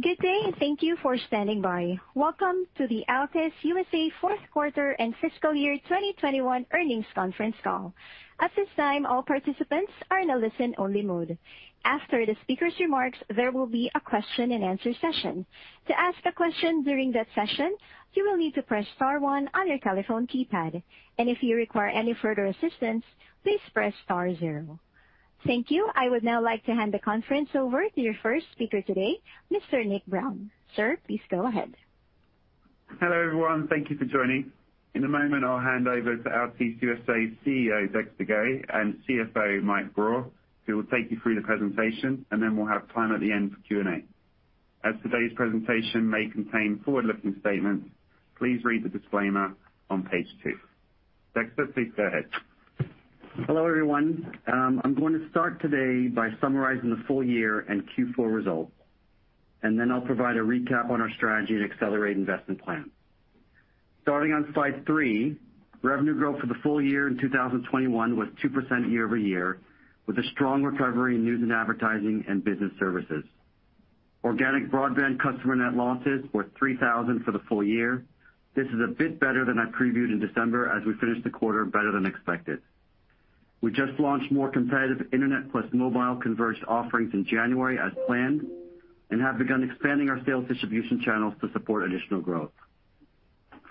Good day, and thank you for standing by. Welcome to the Altice USA fourth quarter and fiscal year 2021 earnings conference call. At this time, all participants are in a listen-only mode. After the speaker's remarks, there will be a question and answer session. To ask a question during that session, you will need to press star one on your telephone keypad. If you require any further assistance, please press star zero. Thank you. I would now like to hand the conference over to your first speaker today, Mr. Nick Brown. Sir, please go ahead. Hello, everyone. Thank you for joining. In a moment, I'll hand over to Altice USA CEO, Dexter Goei, and CFO, Mike Grau, who will take you through the presentation, and then we'll have time at the end for Q&A. As today's presentation may contain forward-looking statements, please read the disclaimer on page two. Dexter, please go ahead. Hello, everyone. I'm going to start today by summarizing the full year and Q4 results, and then I'll provide a recap on our strategy and accelerate investment plan. Starting on slide three, revenue growth for the full year in 2021 was 2% year-over-year, with a strong recovery in news and advertising and business services. Organic broadband customer net losses were 3,000 for the full year. This is a bit better than I previewed in December as we finished the quarter better than expected. We just launched more competitive internet plus mobile converged offerings in January as planned and have begun expanding our sales distribution channels to support additional growth.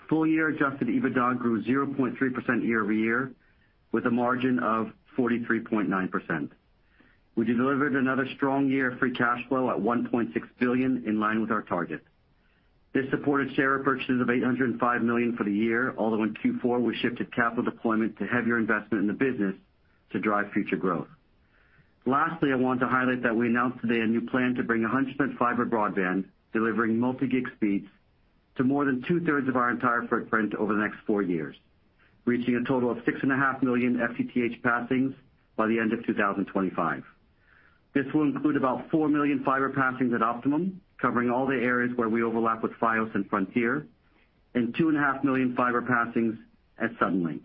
Full year adjusted EBITDA grew 0.3% year-over-year with a margin of 43.9%. We delivered another strong year of free cash flow at $1.6 billion in line with our target. This supported share purchases of $805 million for the year, although in Q4, we shifted capital deployment to heavier investment in the business to drive future growth. Lastly, I want to highlight that we announced today a new plan to bring 100% fiber broadband, delivering multi-gig speeds to more than two-thirds of our entire footprint over the next four years, reaching a total of 6.5 million FTTH passings by the end of 2025. This will include about 4 million fiber passings at Optimum, covering all the areas where we overlap with Fios and Frontier, and 2.5 million fiber passings at Suddenlink.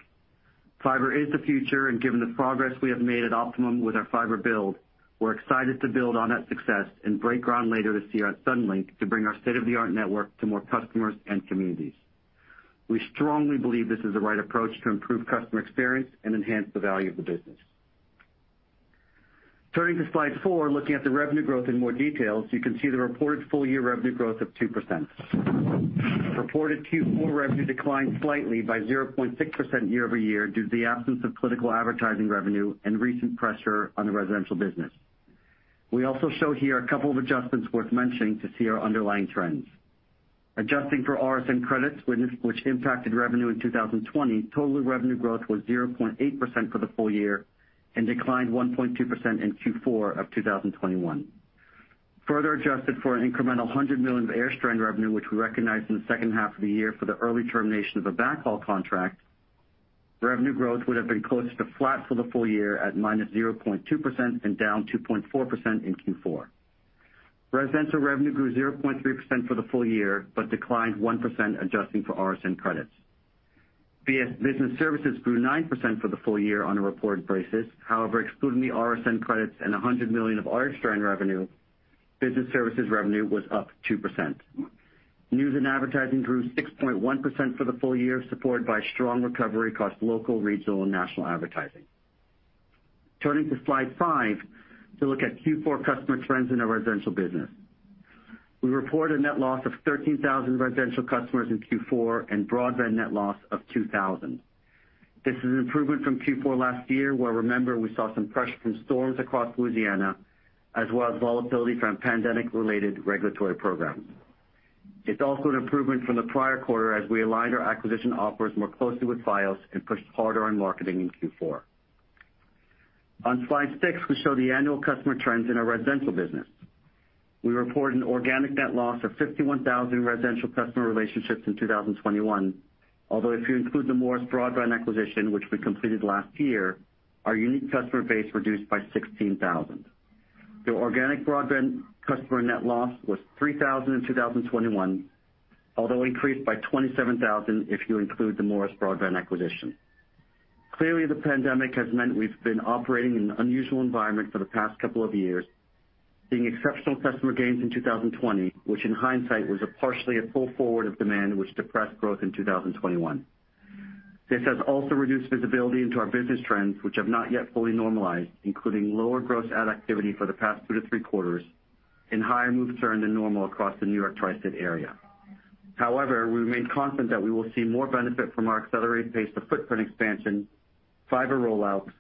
Fiber is the future, and given the progress we have made at Optimum with our fiber build, we're excited to build on that success and break ground later this year at Suddenlink to bring our state-of-the-art network to more customers and communities. We strongly believe this is the right approach to improve customer experience and enhance the value of the business. Turning to slide four, looking at the revenue growth in more details, you can see the reported full year revenue growth of 2%. Reported Q4 revenue declined slightly by 0.6% year-over-year due to the absence of political advertising revenue and recent pressure on the residential business. We also show here a couple of adjustments worth mentioning to see our underlying trends. Adjusting for RSN credits which impacted revenue in 2020, total revenue growth was 0.8% for the full year and declined 1.2% in Q4 of 2021. Further adjusted for an incremental $100 million of AirStrand revenue, which we recognized in the second half of the year for the early termination of a backhaul contract, revenue growth would have been close to flat for the full year at -0.2% and down 2.4% in Q4. Residential revenue grew 0.3% for the full year, but declined 1% adjusting for RSN credits. Business services grew 9% for the full year on a reported basis. However, excluding the RSN credits and $100 million of AirStrand revenue, business services revenue was up 2%. News and advertising grew 6.1% for the full year, supported by strong recovery across local, regional, and national advertising. Turning to slide five to look at Q4 customer trends in our residential business. We reported net loss of 13,000 residential customers in Q4 and broadband net loss of 2,000. This is an improvement from Q4 last year, where remember we saw some pressure from storms across Louisiana as well as volatility from pandemic related regulatory programs. It's also an improvement from the prior quarter as we aligned our acquisition offers more closely with Fios and pushed harder on marketing in Q4. On slide six, we show the annual customer trends in our residential business. We report an organic net loss of 51,000 residential customer relationships in 2021. Although if you include the Morris Broadband acquisition, which we completed last year, our unique customer base reduced by 16,000. The organic broadband customer net loss was 3,000 in 2021, although increased by 27,000 if you include the Morris Broadband acquisition. Clearly, the pandemic has meant we've been operating in an unusual environment for the past couple of years, seeing exceptional customer gains in 2020, which in hindsight was partially a pull forward of demand which depressed growth in 2021. This has also reduced visibility into our business trends, which have not yet fully normalized, including lower gross add activity for the past two to three quarters and higher churn than normal across the New York Tri-State area. However, we remain confident that we will see more benefit from our accelerated pace of footprint expansion, fiber rollouts,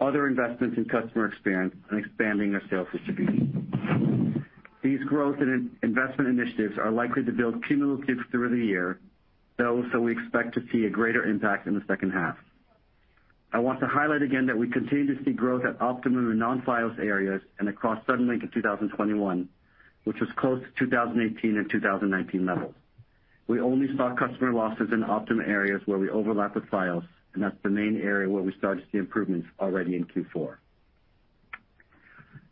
other investments in customer experience, and expanding our sales distribution. These growth and investment initiatives are likely to build cumulatively through the year, though, so we expect to see a greater impact in the second half. I want to highlight again that we continue to see growth at Optimum in non-Fios areas and across Suddenlink in 2021, which was close to 2018 and 2019 levels. We only saw customer losses in Optimum areas where we overlap with Fios, and that's the main area where we started to see improvements already in Q4.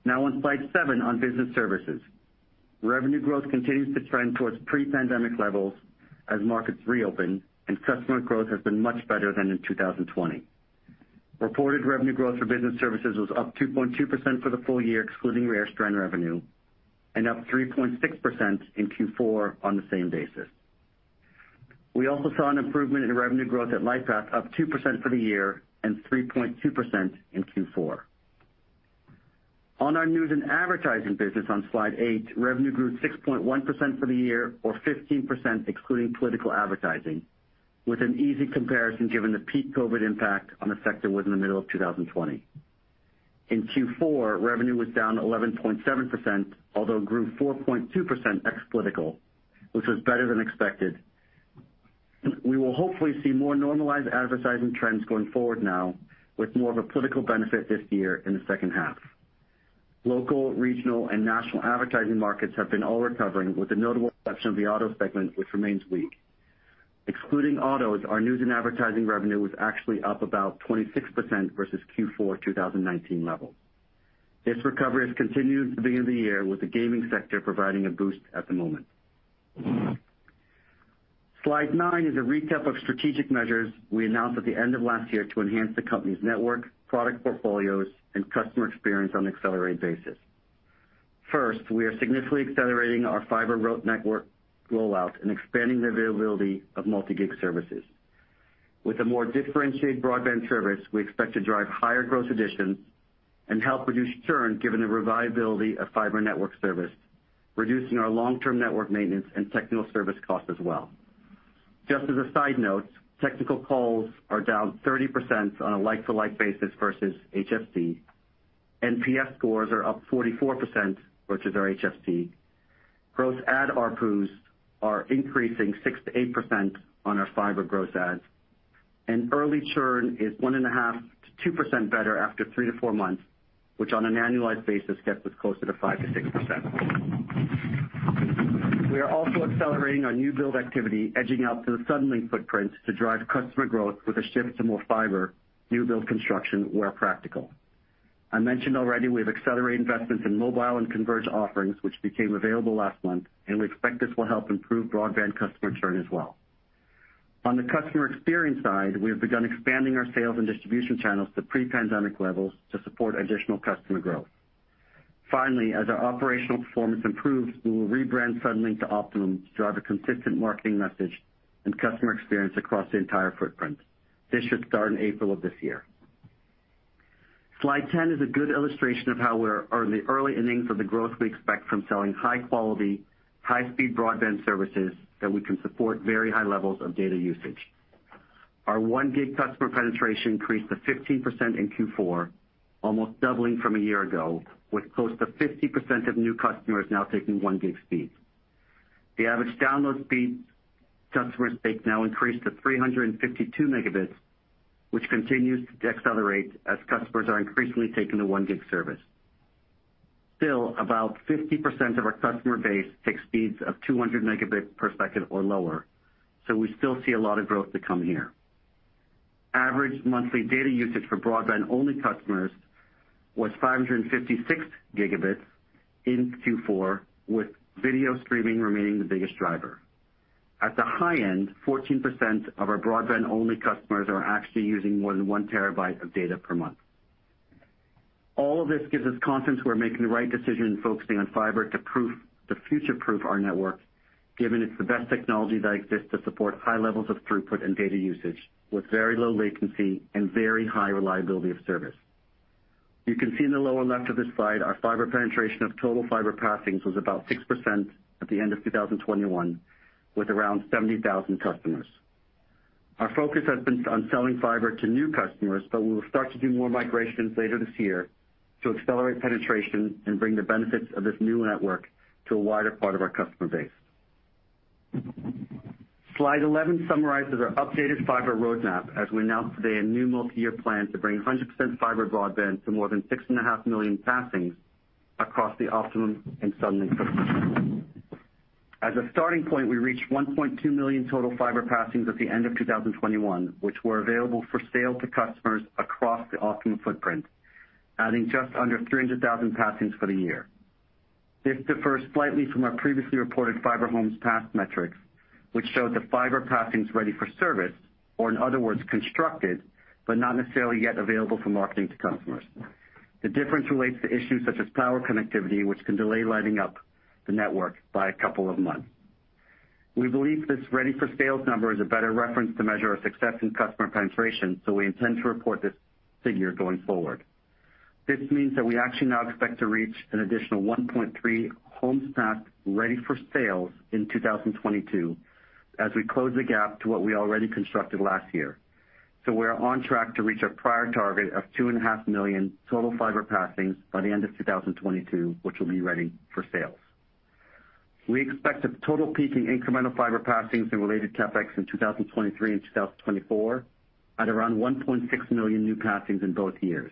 Now on slide seven, on business services. Revenue growth continues to trend towards pre-pandemic levels as markets reopen and customer growth has been much better than in 2020. Reported revenue growth for business services was up 2.2% for the full year, excluding AirStrand revenue, and up 3.6% in Q4 on the same basis. We also saw an improvement in revenue growth at Lightpath, up 2% for the year and 3.2% in Q4. On our news and advertising business on slide eight, revenue grew 6.1% for the year or 15% excluding political advertising, with an easy comparison given the peak COVID impact on the sector was in the middle of 2020. In Q4, revenue was down 11.7%, although grew 4.2% ex-political, which was better than expected. We will hopefully see more normalized advertising trends going forward now, with more of a political benefit this year in the second half. Local, regional and national advertising markets have been all recovering, with the notable exception of the auto segment, which remains weak. Excluding autos, our news and advertising revenue was actually up about 26% versus Q4 2019 levels. This recovery has continued at the beginning of the year, with the gaming sector providing a boost at the moment. Slide nine is a recap of strategic measures we announced at the end of last year to enhance the company's network, product portfolios and customer experience on an accelerated basis. First, we are significantly accelerating our fiber route network rollout and expanding the availability of multi-gig services. With a more differentiated broadband service, we expect to drive higher gross additions and help reduce churn given the reliability of fiber network service, reducing our long-term network maintenance and technical service costs as well. Just as a side note, technical calls are down 30% on a like-for-like basis versus HFC. NPS scores are up 44% versus our HFC. Gross add ARPUs are increasing 6%-8% on our fiber gross adds, and early churn is 1.5%-2% better after three to four months, which on an annualized basis gets us closer to 5%-6%. We are also accelerating our new build activity, edging out to the Suddenlink footprints to drive customer growth with a shift to more fiber new build construction where practical. I mentioned already we have accelerated investments in mobile and converged offerings, which became available last month, and we expect this will help improve broadband customer churn as well. On the customer experience side, we have begun expanding our sales and distribution channels to pre-pandemic levels to support additional customer growth. Finally, as our operational performance improves, we will rebrand Suddenlink to Optimum to drive a consistent marketing message and customer experience across the entire footprint. This should start in April of this year. Slide 10 is a good illustration of how we are in the early innings of the growth we expect from selling high quality, high speed broadband services that we can support very high levels of data usage. Our 1 gig customer penetration increased to 15% in Q4, almost doubling from a year ago, with close to 50% of new customers now taking 1 gig speeds. The average download speeds customers take now increased to 352 Mb, which continues to accelerate as customers are increasingly taking the 1 gig service. Still, about 50% of our customer base take speeds of 200 Mb per second or lower, so we still see a lot of growth to come here. Average monthly data usage for broadband-only customers was 556 Gb in Q4, with video streaming remaining the biggest driver. At the high end, 14% of our broadband-only customers are actually using more than 1 TB of data per month. All of this gives us confidence we're making the right decision focusing on fiber to future-proof our network, given it's the best technology that exists to support high levels of throughput and data usage with very low latency and very high reliability of service. You can see in the lower left of this slide, our fiber penetration of total fiber passings was about 6% at the end of 2021, with around 70,000 customers. Our focus has been on selling fiber to new customers, but we will start to do more migrations later this year to accelerate penetration and bring the benefits of this new network to a wider part of our customer base. Slide 11 summarizes our updated fiber roadmap as we announce today a new multi-year plan to bring 100% fiber broadband to more than 6.5 million passings across the Optimum and Suddenlink footprint. As a starting point, we reached 1.2 million total fiber passings at the end of 2021, which were available for sale to customers across the Optimum footprint, adding just under 300,000 passings for the year. This differs slightly from our previously reported fiber homes passed metrics, which showed the fiber passings ready for service, or in other words, constructed but not necessarily yet available for marketing to customers. The difference relates to issues such as power connectivity, which can delay lighting up the network by a couple of months. We believe this ready for sales number is a better reference to measure our success in customer penetration, so we intend to report this figure going forward. This means that we actually now expect to reach an additional 1.3 homes passed ready for sales in 2022 as we close the gap to what we already constructed last year. We are on track to reach our prior target of 2.5 million total fiber passings by the end of 2022, which will be ready for sales. We expect a total peak in incremental fiber passings and related CapEx in 2023 and 2024 at around 1.6 million new passings in both years,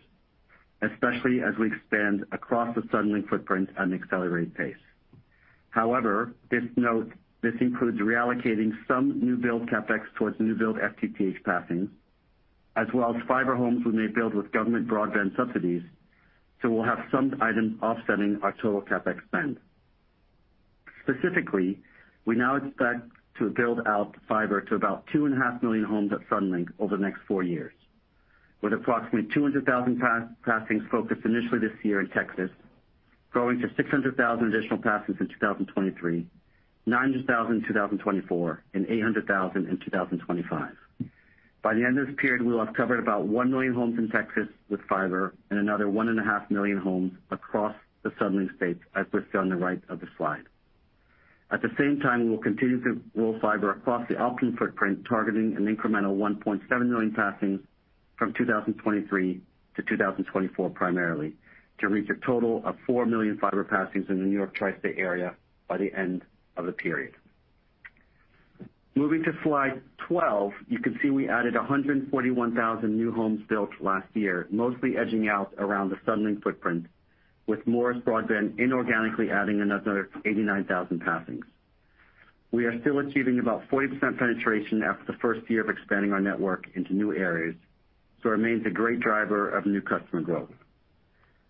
especially as we expand across the Suddenlink footprint at an accelerated pace. However, this note, this includes reallocating some new build CapEx towards new build FTTH passings as well as fiber homes we may build with government broadband subsidies, so we'll have some items offsetting our total CapEx spend. Specifically, we now expect to build out fiber to about 2.5 million homes at Suddenlink over the next four years, with approximately 200,000 passings focused initially this year in Texas, growing to 600,000 additional passings in 2023, 900,000 in 2024, and 800,000 in 2025. By the end of this period, we will have covered about 1 million homes in Texas with fiber and another 1.5 million homes across the Southern states, as listed on the right of the slide. At the same time, we will continue to roll fiber across the Optimum footprint, targeting an incremental 1.7 million passings from 2023-2024 primarily to reach a total of 4 million fiber passings in the New York Tri-State Area by the end of the period. Moving to slide 12, you can see we added 141,000 new homes built last year, mostly edging out around the Suddenlink footprint, with Morris Broadband inorganically adding another 89,000 passings. We are still achieving about 40% penetration after the first year of expanding our network into new areas, so it remains a great driver of new customer growth.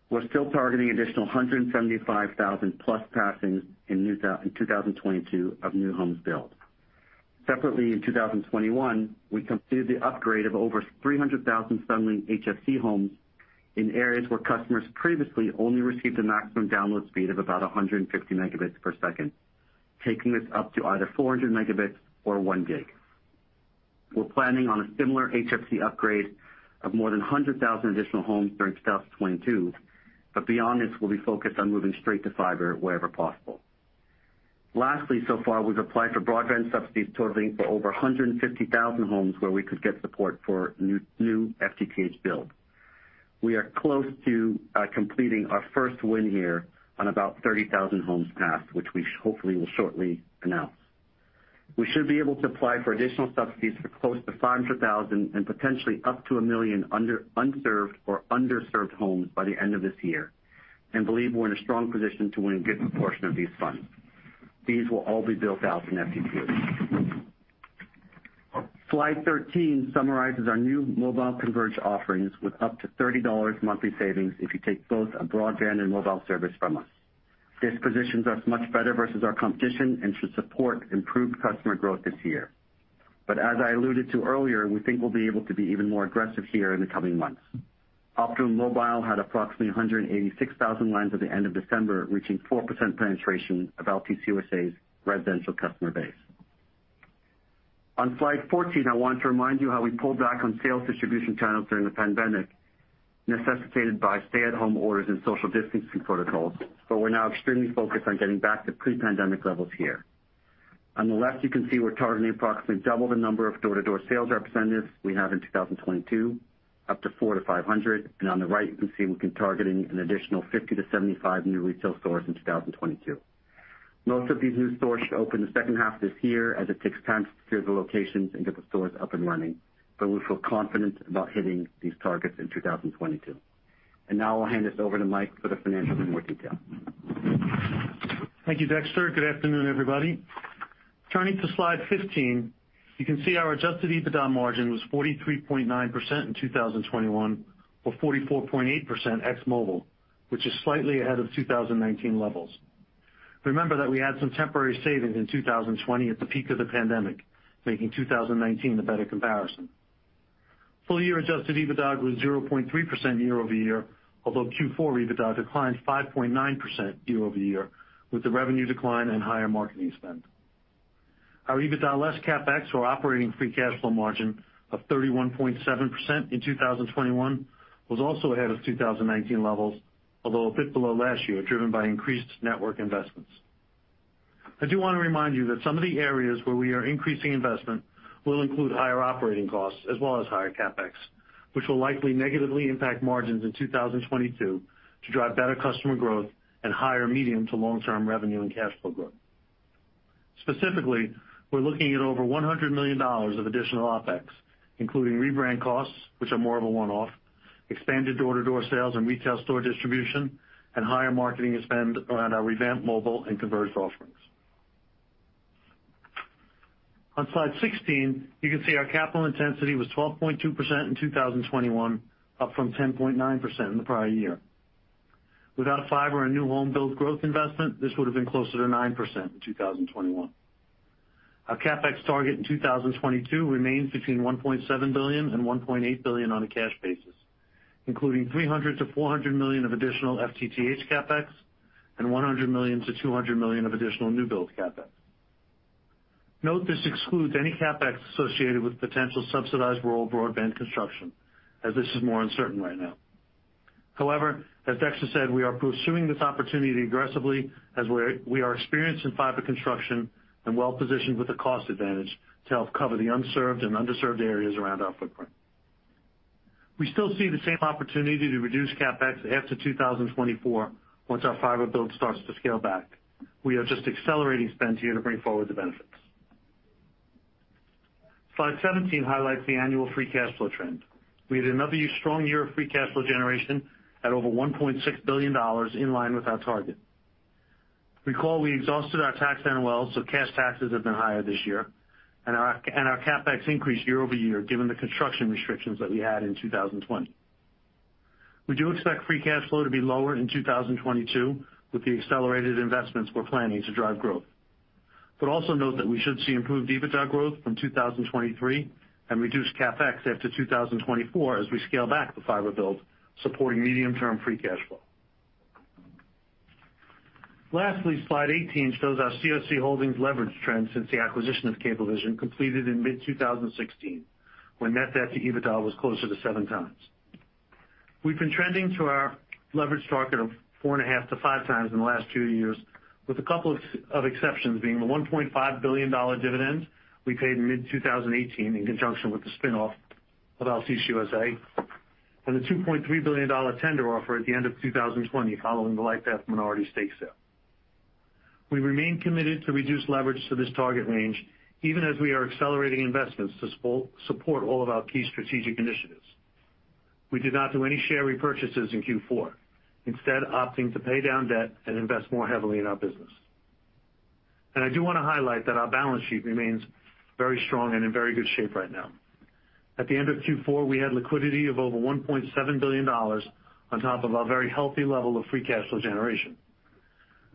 We're still targeting additional 175,000+ passings in 2022 of new homes built. Separately, in 2021, we completed the upgrade of over 300,000 Suddenlink HFC homes in areas where customers previously only received a maximum download speed of about 150 Mbps, taking this up to either 400 Mbps or 1 Gbps. We're planning on a similar HFC upgrade of more than 100,000 additional homes during 2022, but beyond this, we'll be focused on moving straight to fiber wherever possible. Lastly, so far, we've applied for broadband subsidies totaling for over 150,000 homes where we could get support for new FTTH build. We are close to completing our first win here on about 30,000 homes passed, which we hopefully will shortly announce. We should be able to apply for additional subsidies for close to 500,000 and potentially up to 1 million unserved or underserved homes by the end of this year and believe we're in a strong position to win a good portion of these funds. These will all be built out in FTTH. Slide 13 summarizes our new mobile converged offerings with up to $30 monthly savings if you take both a broadband and mobile service from us. This positions us much better versus our competition and should support improved customer growth this year. As I alluded to earlier, we think we'll be able to be even more aggressive here in the coming months. Optimum Mobile had approximately 186,000 lines at the end of December, reaching 4% penetration of Altice USA's residential customer base. On slide 14, I want to remind you how we pulled back on sales distribution channels during the pandemic, necessitated by stay-at-home orders and social distancing protocols, but we're now extremely focused on getting back to pre-pandemic levels here. On the left, you can see we're targeting approximately double the number of door-to-door sales representatives we have in 2022, up to 400-500. On the right, you can see we're targeting an additional 50-75 new retail stores in 2022. Most of these new stores should open the second half of this year, as it takes time to secure the locations and get the stores up and running, but we feel confident about hitting these targets in 2022. Now I'll hand this over to Mike for the financials in more detail. Thank you, Dexter. Good afternoon, everybody. Turning to slide 15, you can see our adjusted EBITDA margin was 43.9% in 2021, or 44.8% ex mobile, which is slightly ahead of 2019 levels. Remember that we had some temporary savings in 2020 at the peak of the pandemic, making 2019 a better comparison. Full year adjusted EBITDA grew 0.3% year-over-year, although Q4 EBITDA declined 5.9% year-over-year with the revenue decline and higher marketing spend. Our EBITDA less CapEx, or operating free cash flow margin of 31.7% in 2021, was also ahead of 2019 levels, although a bit below last year, driven by increased network investments. I do want to remind you that some of the areas where we are increasing investment will include higher operating costs as well as higher CapEx, which will likely negatively impact margins in 2022 to drive better customer growth and higher medium to long-term revenue and cash flow growth. Specifically, we're looking at over $100 million of additional OpEx, including rebrand costs, which are more of a one-off, expanded door-to-door sales and retail store distribution, and higher marketing spend around our revamped mobile and converged offerings. On slide 16, you can see our capital intensity was 12.2% in 2021, up from 10.9% in the prior year. Without fiber and new home build growth investment, this would've been closer to 9% in 2021. Our CapEx target in 2022 remains between $1.7 billion and $1.8 billion on a cash basis, including $300 million-$400 million of additional FTTH CapEx and $100 million-$200 million of additional new build CapEx. Note this excludes any CapEx associated with potential subsidized rural broadband construction, as this is more uncertain right now. However, as Dexter said, we are pursuing this opportunity aggressively as we are experienced in fiber construction and well-positioned with a cost advantage to help cover the unserved and underserved areas around our footprint. We still see the same opportunity to reduce CapEx after 2024 once our fiber build starts to scale back. We are just accelerating spend here to bring forward the benefits. Slide 17 highlights the annual free cash flow trend. We had another strong year of free cash flow generation at over $1.6 billion, in line with our target. Recall we exhausted our tax NOL, so cash taxes have been higher this year, and our CapEx increased year-over-year given the construction restrictions that we had in 2020. We do expect free cash flow to be lower in 2022 with the accelerated investments we're planning to drive growth. Also note that we should see improved EBITDA growth from 2023 and reduced CapEx after 2024 as we scale back the fiber build, supporting medium-term free cash flow. Lastly, slide 18 shows our CSC Holdings leverage trend since the acquisition of Cablevision completed in mid-2016, when net debt to EBITDA was closer to 7x. We've been trending to our leverage target of 4.5x-5x in the last two years, with a couple of of exceptions being the $1.5 billion dividend we paid in mid-2018 in conjunction with the spin-off of Altice USA and the $2.3 billion tender offer at the end of 2020 following the Lightpath minority stake sale. We remain committed to reduce leverage to this target range, even as we are accelerating investments to support all of our key strategic initiatives. We did not do any share repurchases in Q4, instead opting to pay down debt and invest more heavily in our business. I do wanna highlight that our balance sheet remains very strong and in very good shape right now. At the end of Q4, we had liquidity of over $1.7 billion on top of our very healthy level of free cash flow generation.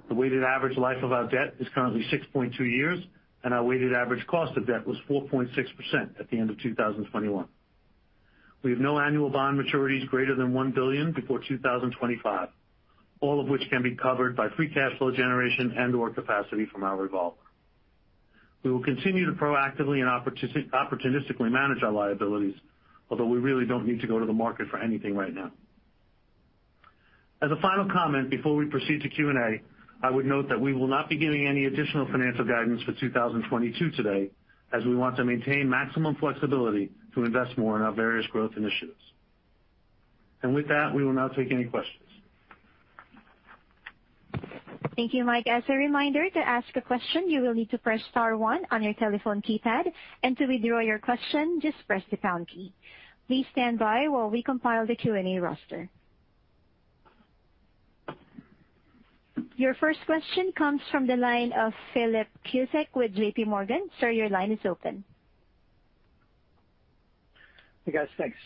The weighted average life of our debt is currently 6.2 years, and our weighted average cost of debt was 4.6% at the end of 2021. We have no annual bond maturities greater than $1 billion before 2025, all of which can be covered by free cash flow generation and/or capacity from our revolver. We will continue to proactively and opportunistically manage our liabilities, although we really don't need to go to the market for anything right now. As a final comment before we proceed to Q&A, I would note that we will not be giving any additional financial guidance for 2022 today, as we want to maintain maximum flexibility to invest more in our various growth initiatives. With that, we will now take any questions. Thank you, Mike. As a reminder, to ask a question, you will need to press star one on your telephone keypad. To withdraw your question, just press the pound key. Please stand by while we compile the Q&A roster. Your first question comes from the line of Philip Cusick with JPMorgan. Sir, your line is open. Hey, guys. Thanks.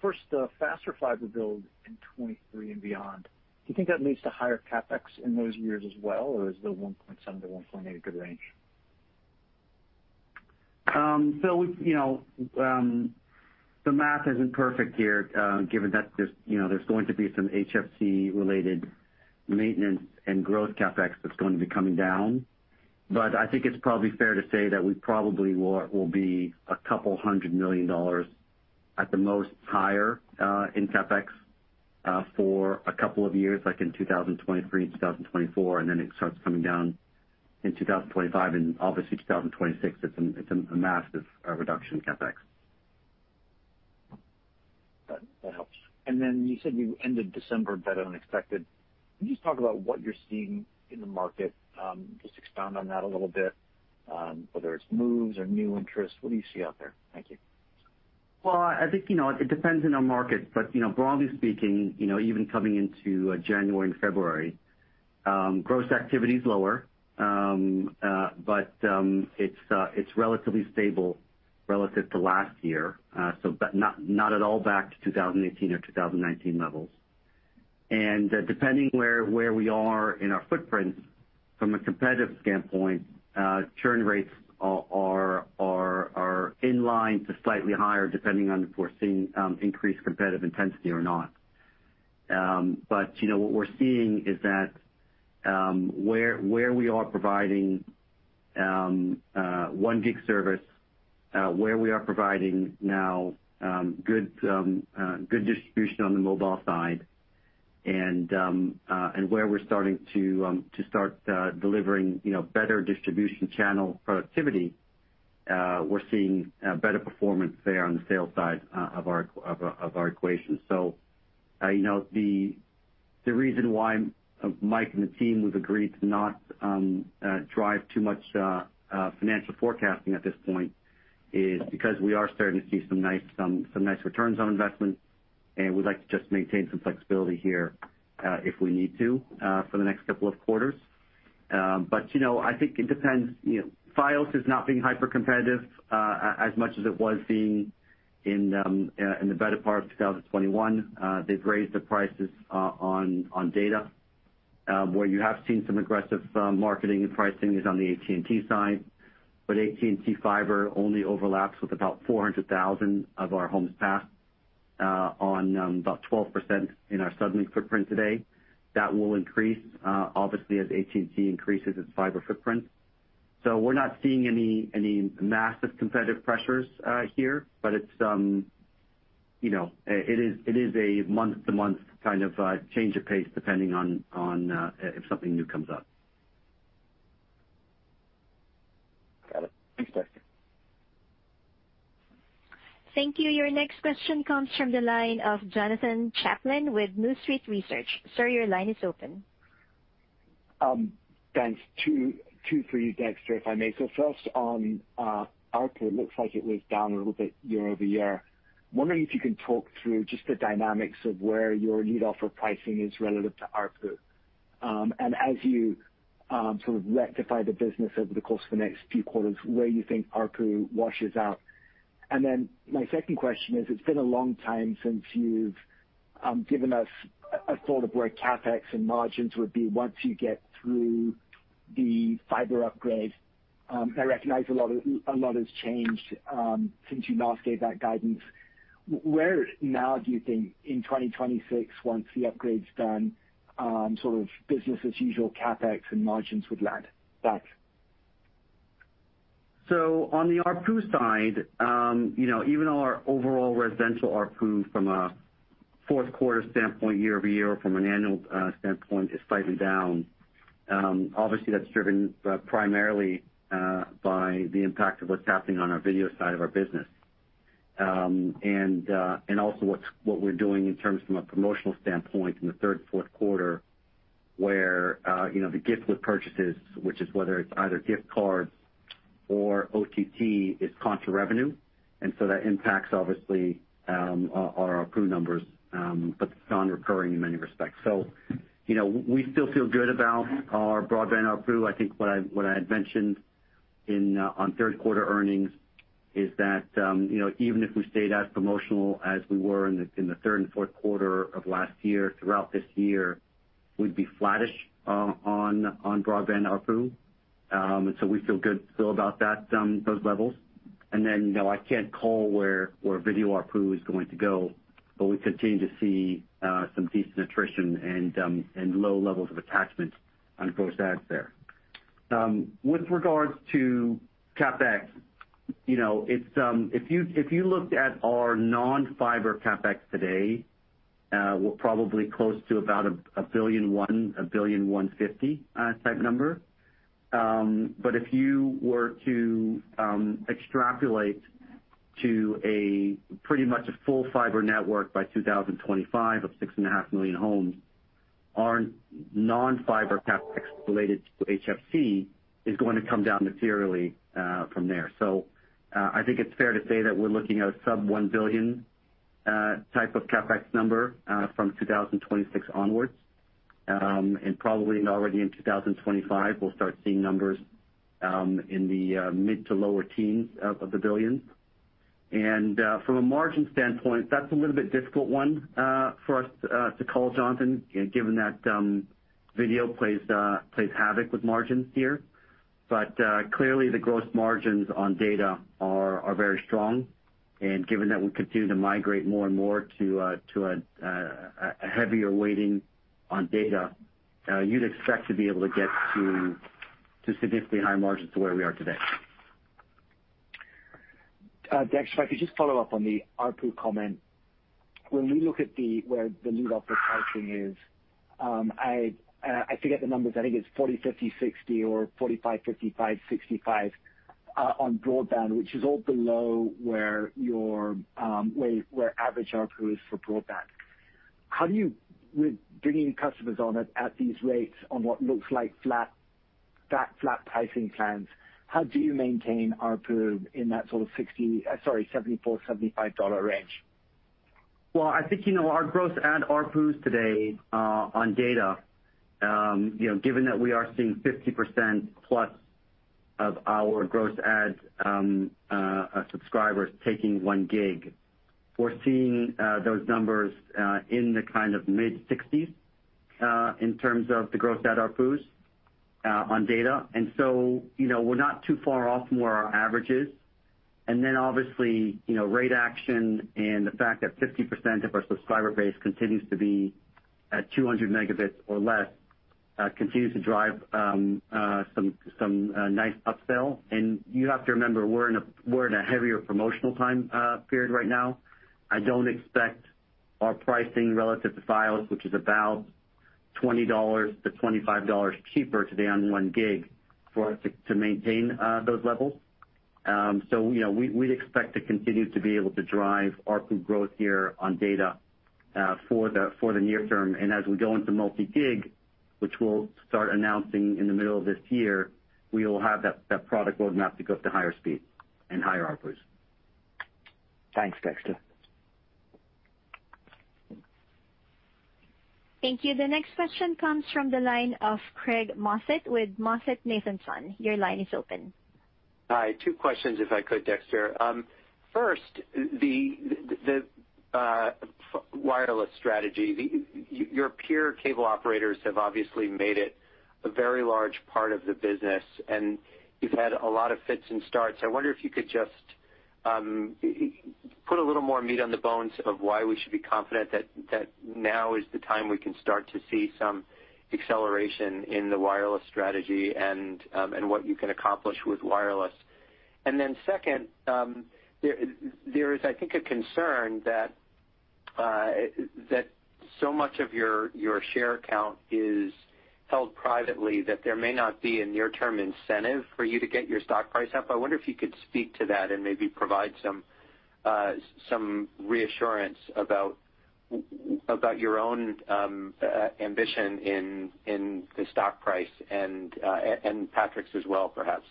First, the faster fiber build in 2023 and beyond, do you think that leads to higher CapEx in those years as well, or is the $1.7-$1.8 a good range? Philip, you know, the math isn't perfect here, given that there's, you know, going to be some HFC-related maintenance and growth CapEx that's going to be coming down. I think it's probably fair to say that we probably will be $200 million at the most higher in CapEx for a couple of years, like in 2023, 2024, and then it starts coming down in 2025. Obviously, 2026, it's a massive reduction in CapEx. That helps. You said you ended December better than expected. Can you just talk about what you're seeing in the market, just expound on that a little bit, whether it's moves or new interests, what do you see out there? Thank you. Well, I think, you know, it depends on our market. You know, broadly speaking, you know, even coming into January and February, gross activity is lower. It's relatively stable relative to last year, but not at all back to 2018 or 2019 levels. Depending where we are in our footprints from a competitive standpoint, churn rates are in line to slightly higher depending on if we're seeing increased competitive intensity or not. You know, what we're seeing is that where we are providing 1 gig service where we are providing now good distribution on the mobile side and where we're starting to deliver you know better distribution channel productivity we're seeing better performance there on the sales side of our equation. You know the reason why Mike and the team we've agreed to not drive too much financial forecasting at this point is because we are starting to see some nice returns on investment and we'd like to just maintain some flexibility here if we need to for the next couple of quarters. You know I think it depends. You know, Fios is not being hypercompetitive as much as it was being in the better part of 2021. They've raised their prices on data. Where you have seen some aggressive marketing and pricing is on the AT&T side. But AT&T Fiber only overlaps with about 400,000 of our homes passed, on about 12% in our Suddenlink footprint today. That will increase, obviously, as AT&T increases its fiber footprint. We're not seeing any massive competitive pressures here, but it's, you know, it is a month-to-month kind of change of pace depending on if something new comes up. Got it. Thanks, Dexter. Thank you. Your next question comes from the line of Jonathan Chaplin with New Street Research. Sir, your line is open. Thanks. Two for you, Dexter, if I may. First on ARPU, it looks like it was down a little bit year-over-year. I'm wondering if you can talk through just the dynamics of where your lead offer pricing is relative to ARPU. As you sort of rectify the business over the course of the next few quarters, where you think ARPU washes out? My second question is, it's been a long time since you've given us a thought of where CapEx and margins would be once you get through the fiber upgrade. I recognize a lot has changed since you last gave that guidance. Where now do you think in 2026 once the upgrade's done, sort of business as usual CapEx and margins would land? Thanks. On the ARPU side, you know, even though our overall residential ARPU from a fourth quarter standpoint year-over-year or from an annual standpoint is slightly down, obviously that's driven primarily by the impact of what's happening on our video side of our business. Also what we're doing in terms of a promotional standpoint in the third, fourth quarter, where you know, the gift with purchases, which is whether it's either gift cards or OTT, is contra revenue. That impacts obviously our ARPU numbers, but it's non-recurring in many respects. You know, we still feel good about our broadband ARPU. I think what I had mentioned on third quarter earnings is that, you know, even if we stayed as promotional as we were in the third and fourth quarter of last year throughout this year, we'd be flattish on broadband ARPU. We feel good still about those levels. Then, you know, I can't call where video ARPU is going to go, but we continue to see some decent attrition and low levels of attachment on gross adds there. With regards to CapEx, you know, it's if you looked at our non-fiber CapEx today, we're probably close to about $1.1 billion, $1.150 billion type number. If you were to extrapolate to a pretty much full fiber network by 2025 of 6.5 million homes, our non-fiber CapEx related to HFC is going to come down materially from there. I think it's fair to say that we're looking at a sub-$1 billion type of CapEx number from 2026 onwards. And probably already in 2025, we'll start seeing numbers in the mid- to low-10s of the billions. From a margin standpoint, that's a little bit difficult one for us to call, Jonathan, given that video plays havoc with margins here. Clearly the gross margins on data are very strong. Given that we continue to migrate more and more to a heavier weighting on data, you'd expect to be able to get to significantly higher margins than where we are today. Dexter, if I could just follow-up on the ARPU comment. When we look at where the new offer pricing is, I forget the numbers. I think it's $40, $50, $60 or $45, $55, $65 on broadband, which is all below where your average ARPU is for broadband. With bringing customers on at these rates on what looks like flat pricing plans, how do you maintain ARPU in that sort of $74-$75 dollar range? Well, I think, you know, our gross add ARPUs today on data, you know, given that we are seeing 50%+ of our gross adds subscribers taking 1 gig, we're seeing those numbers in the kind of mid-60s in terms of the gross add ARPUs on data. You know, we're not too far off from where our average is. Obviously, you know, rate action and the fact that 50% of our subscriber base continues to be at 200 Mb or less continues to drive some nice upsell. You have to remember, we're in a heavier promotional time period right now. I don't expect our pricing relative to Fios, which is about $20-$25 cheaper today on 1 gig for us to maintain those levels. So, you know, we'd expect to continue to be able to drive ARPU growth here on data for the near term. As we go into multi-gig, which we'll start announcing in the middle of this year, we will have that product roadmap to go up to higher speeds and higher ARPUs. Thanks, Dexter. Thank you. The next question comes from the line of Craig Moffett with MoffettNathanson. Your line is open. Hi. Two questions if I could, Dexter. First, the fixed wireless strategy. Your peer cable operators have obviously made it a very large part of the business, and you've had a lot of fits and starts. I wonder if you could just put a little more meat on the bones of why we should be confident that now is the time we can start to see some acceleration in the wireless strategy and what you can accomplish with wireless? Second, there is I think a concern that so much of your share count is held privately, that there may not be a near-term incentive for you to get your stock price up. I wonder if you could speak to that and maybe provide some reassurance about your own ambition in the stock price and Patrick's as well, perhaps?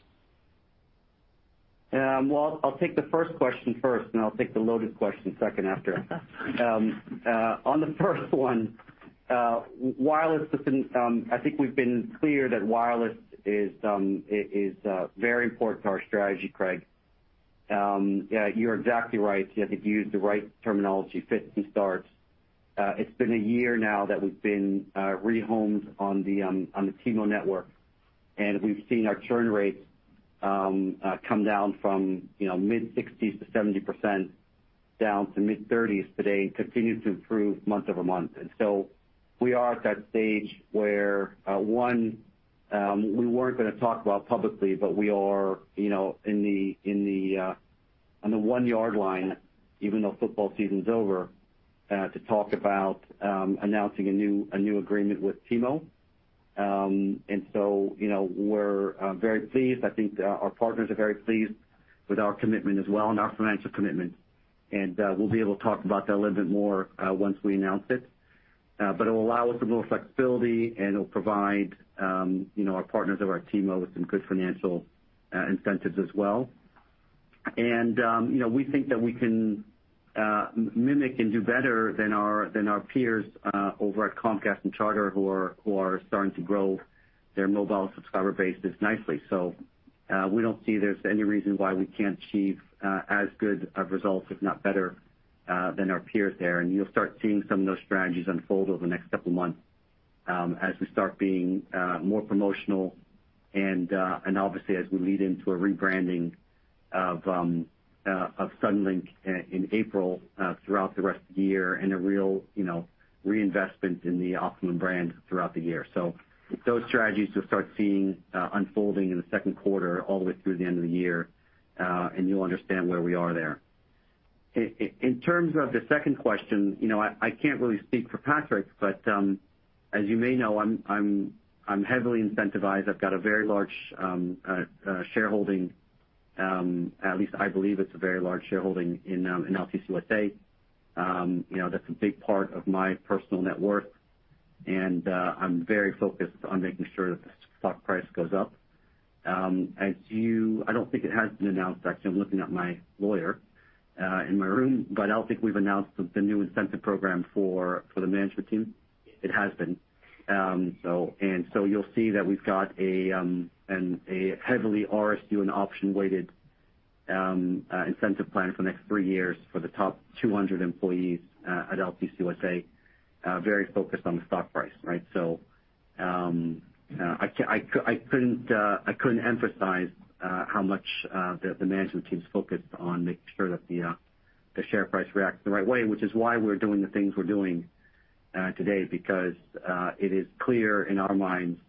Well, I'll take the first question first, and I'll take the loaded question second after. On the first one, wireless has been. I think we've been clear that wireless is very important to our strategy, Craig. Yeah, you're exactly right. I think you used the right terminology, fits and starts. It's been a year now that we've been re-homed on the T-Mobile network, and we've seen our churn rates come down from, you know, mid-60s to 70% down to mid-30s today and continue to improve month-over-month. We are at that stage where we weren't gonna talk about publicly, but we are, you know, on the one-yard line, even though football season's over, to talk about announcing a new agreement with T-Mobile. You know, we're very pleased. I think our partners are very pleased with our commitment as well and our financial commitment. We'll be able to talk about that a little bit more once we announce it. It'll allow us some more flexibility, and it'll provide, you know, our partners over at T-Mobile with some good financial incentives as well. You know, we think that we can mimic and do better than our peers over at Comcast and Charter who are starting to grow their mobile subscriber bases nicely. We don't see there's any reason why we can't achieve as good of results, if not better, than our peers there. You'll start seeing some of those strategies unfold over the next couple of months as we start being more promotional and obviously as we lead into a rebranding of Suddenlink in April throughout the rest of the year and a real, you know, reinvestment in the Optimum brand throughout the year. Those strategies you'll start seeing unfolding in the second quarter all the way through the end of the year, and you'll understand where we are there. In terms of the second question, you know, I can't really speak for Patrick, but as you may know, I'm heavily incentivized. I've got a very large shareholding, at least I believe it's a very large shareholding in Altice USA. You know, that's a big part of my personal net worth, and I'm very focused on making sure that the stock price goes up. I don't think it has been announced. Actually, I'm looking at my lawyer in my room, but I don't think we've announced the new incentive program for the management team. It has been. You'll see that we've got a heavily RSU and option-weighted incentive plan for the next three years for the top 200 employees at Altice USA, very focused on the stock price, right? I couldn't emphasize how much the management team's focused on making sure that the share price reacts the right way, which is why we're doing the things we're doing today, because it is clear in our minds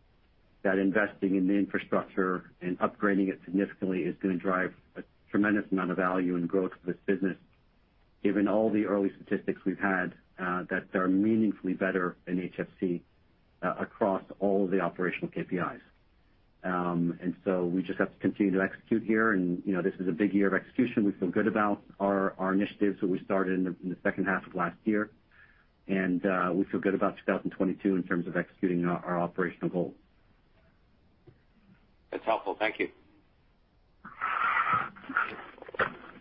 that investing in the infrastructure and upgrading it significantly is gonna drive a tremendous amount of value and growth for this business, given all the early statistics we've had that they are meaningfully better than HFC across all of the operational KPIs. We just have to continue to execute here. You know, this is a big year of execution. We feel good about our initiatives that we started in the second half of last year. We feel good about 2022 in terms of executing our operational goals. That's helpful. Thank you.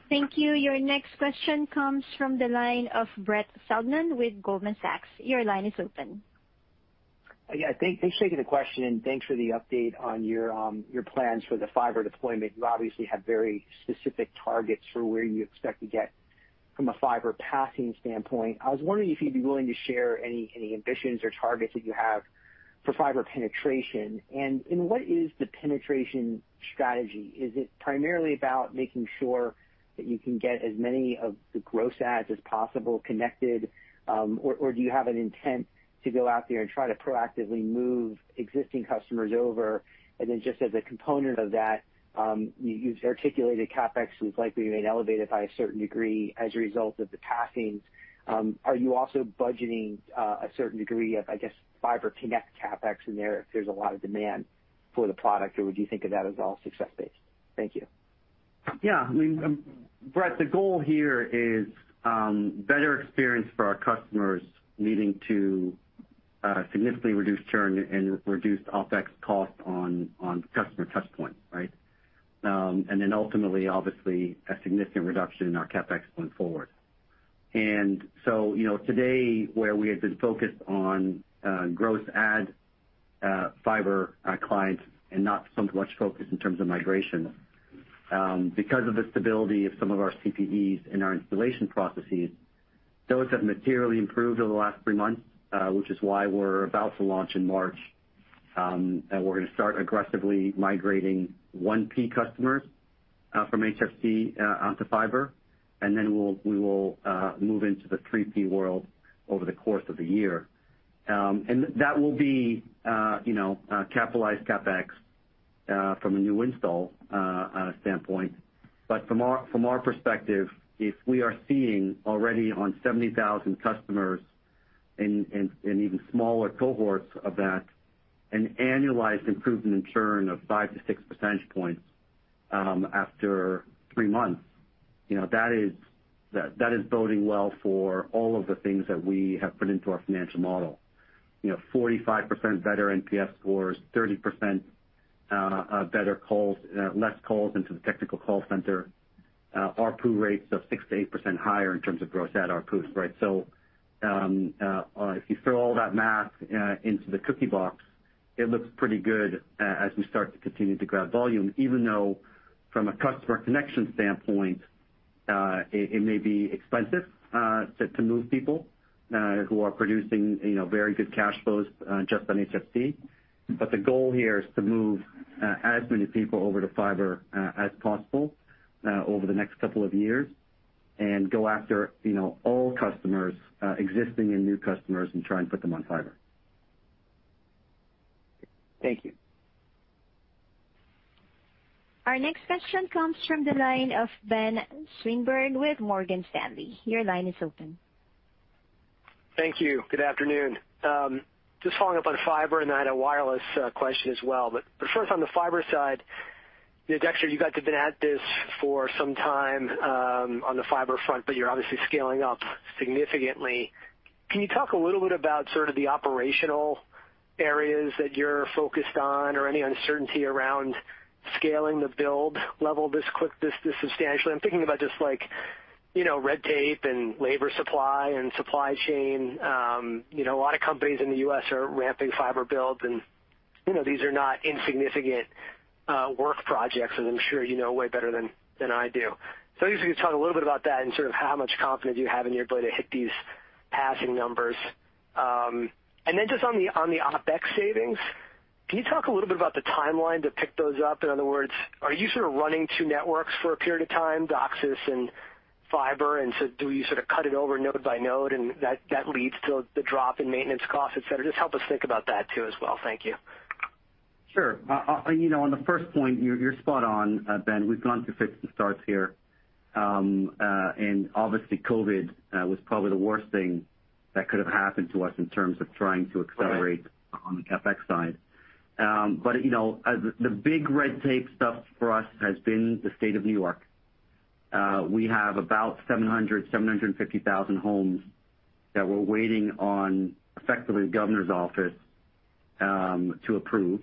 Thank you. Your next question comes from the line of Brett Feldman with Goldman Sachs. Your line is open. Yeah. Thanks for taking the question, and thanks for the update on your plans for the fiber deployment. You obviously have very specific targets for where you expect to get from a fiber passing standpoint. I was wondering if you'd be willing to share any ambitions or targets that you have for fiber penetration. What is the penetration strategy? Is it primarily about making sure that you can get as many of the gross adds as possible connected, or do you have an intent to go out there and try to proactively move existing customers over? Just as a component of that, you've articulated CapEx was likely to remain elevated by a certain degree as a result of the passings. Are you also budgeting a certain degree of, I guess, fiber connect CapEx in there if there's a lot of demand for the product, or would you think of that as all success-based? Thank you. Yeah. I mean, Brett, the goal here is better experience for our customers leading to significantly reduced churn and reduced OpEx cost on customer touch points, right? Ultimately, obviously, a significant reduction in our CapEx going forward. You know, today, where we have been focused on growth and fiber clients and not so much focus in terms of migration because of the stability of some of our CPEs and our installation processes, those have materially improved over the last three months, which is why we're about to launch in March, and we're gonna start aggressively migrating 1P customers from HFC onto fiber. We will move into the 3P world over the course of the year. That will be capitalized CapEx from a new install standpoint. From our perspective, if we are seeing already on 70,000 customers and even smaller cohorts of that, an annualized improvement in churn of 5-6 percentage points after three months, you know, that is boding well for all of the things that we have put into our financial model. You know, 45% better NPS scores, 30% better calls, less calls into the technical call center, ARPU rates of 6%-8% higher in terms of gross add ARPUs, right? If you throw all that math into the cookie box, it looks pretty good as we start to continue to grab volume, even though from a customer connection standpoint, it may be expensive to move people who are producing, you know, very good cash flows just on HFC. The goal here is to move as many people over to fiber as possible over the next couple of years and go after, you know, all customers, existing and new customers, and try and put them on fiber. Thank you. Our next question comes from the line of Ben Swinburne with Morgan Stanley. Your line is open. Thank you. Good afternoon. Just following up on fiber and then a wireless question as well. First, on the fiber side, you know, Dexter, you guys have been at this for some time on the fiber front, but you're obviously scaling up significantly. Can you talk a little bit about sort of the operational areas that you're focused on or any uncertainty around scaling the build level this quick, this substantially? I'm thinking about just like, you know, red tape and labor supply and supply chain. You know, a lot of companies in the U.S. are ramping fiber build, and you know, these are not insignificant work projects, as I'm sure you know way better than I do. If you could talk a little bit about that and sort of how much confidence you have in your ability to hit these passing numbers. Just on the OpEx savings, can you talk a little bit about the timeline to pick those up? In other words, are you sort of running two networks for a period of time, DOCSIS and fiber? Do you sort of cut it over node by node and that leads to the drop in maintenance costs, et cetera? Just help us think about that too as well. Thank you. Sure. You know, on the first point, you're spot on, Ben. We've gone through fits and starts here, and obviously COVID was probably the worst thing that could have happened to us in terms of trying to accelerate. Right. on the CapEx side. You know, the big red tape stuff for us has been the State of New York. We have about 750,000 homes that we're waiting on, effectively, the governor's office to approve.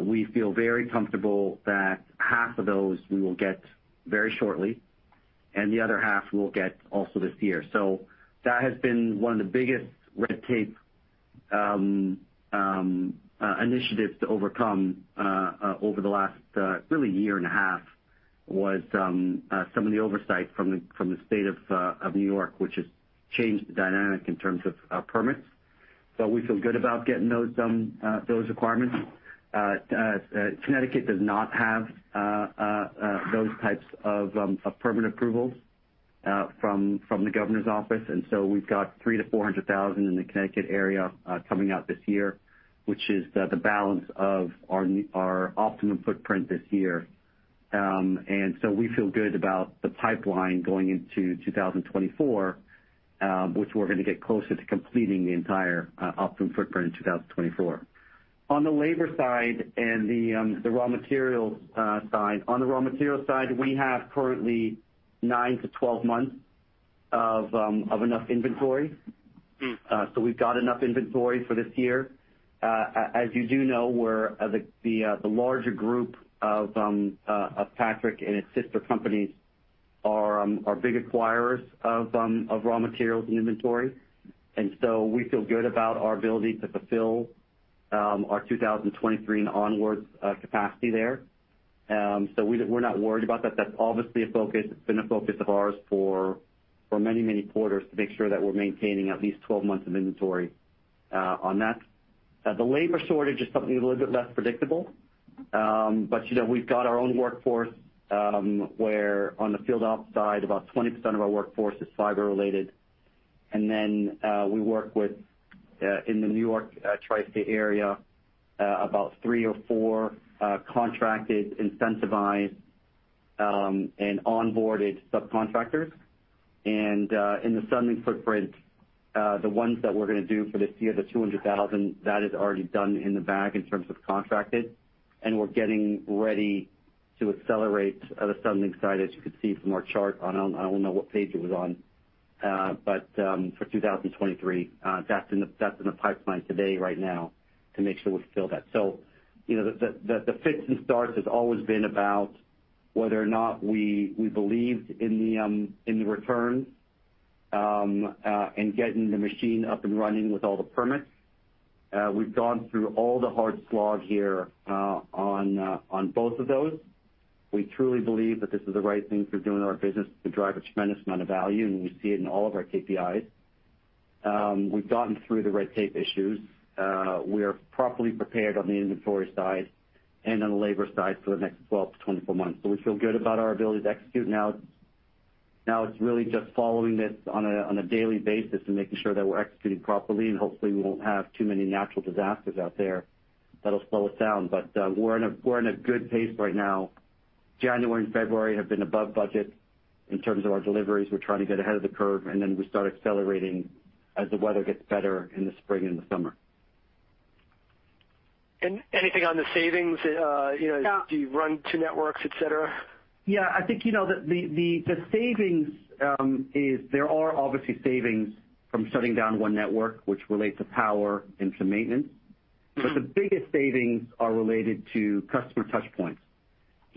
We feel very comfortable that half of those we will get very shortly, and the other half we'll get also this year. That has been one of the biggest red tape initiatives to overcome over the last really year and a half was some of the oversight from the State of New York, which has changed the dynamic in terms of permits. We feel good about getting those requirements. Connecticut does not have those types of permit approvals from the governor's office. We've got 300,000-400,000 in the Connecticut area coming out this year, which is the balance of our Optimum footprint this year. We feel good about the pipeline going into 2024, which we're gonna get closer to completing the entire Optimum footprint in 2024. On the labor side and the raw materials side. On the raw materials side, we have currently nine to 12 months of enough inventory. Mm. We've got enough inventory for this year. As you do know, we're the larger group of Altice and its sister companies are big acquirers of raw materials and inventory. We feel good about our ability to fulfill our 2023 and onwards capacity there. We're not worried about that. That's obviously a focus. It's been a focus of ours for many quarters to make sure that we're maintaining at least 12 months of inventory on that. The labor shortage is something a little bit less predictable. You know, we've got our own workforce where on the field op side, about 20% of our workforce is fiber related. Then we work with in the New York Tri-State Area about three or four contracted, incentivized, and onboarded subcontractors. In the Suddenlink footprint, the ones that we're gonna do for this year, the 200,000, that is already done in the bag in terms of contracted, and we're getting ready to accelerate the Suddenlink side, as you could see from our chart. I don't know what page it was on. But for 2023, that's in the pipeline today, right now to make sure we fill that. You know, the fits and starts has always been about whether or not we believed in the returns and getting the machine up and running with all the permits. We've gone through all the hard slog here, on both of those. We truly believe that this is the right thing for doing our business to drive a tremendous amount of value, and we see it in all of our KPIs. We've gotten through the red tape issues. We are properly prepared on the inventory side and on the labor side for the next 12-24 months. We feel good about our ability to execute. Now it's really just following this on a daily basis and making sure that we're executing properly, and hopefully we won't have too many natural disasters out there that'll slow us down. We're in a good pace right now. January and February have been above budget in terms of our deliveries. We're trying to get ahead of the curve, and then we start accelerating as the weather gets better in the spring and the summer. Anything on the savings, you know. Yeah. Do you run two networks, et cetera? Yeah. I think, you know, there are obviously savings from shutting down one network which relate to power and to maintenance. Mm-hmm. The biggest savings are related to customer touch points.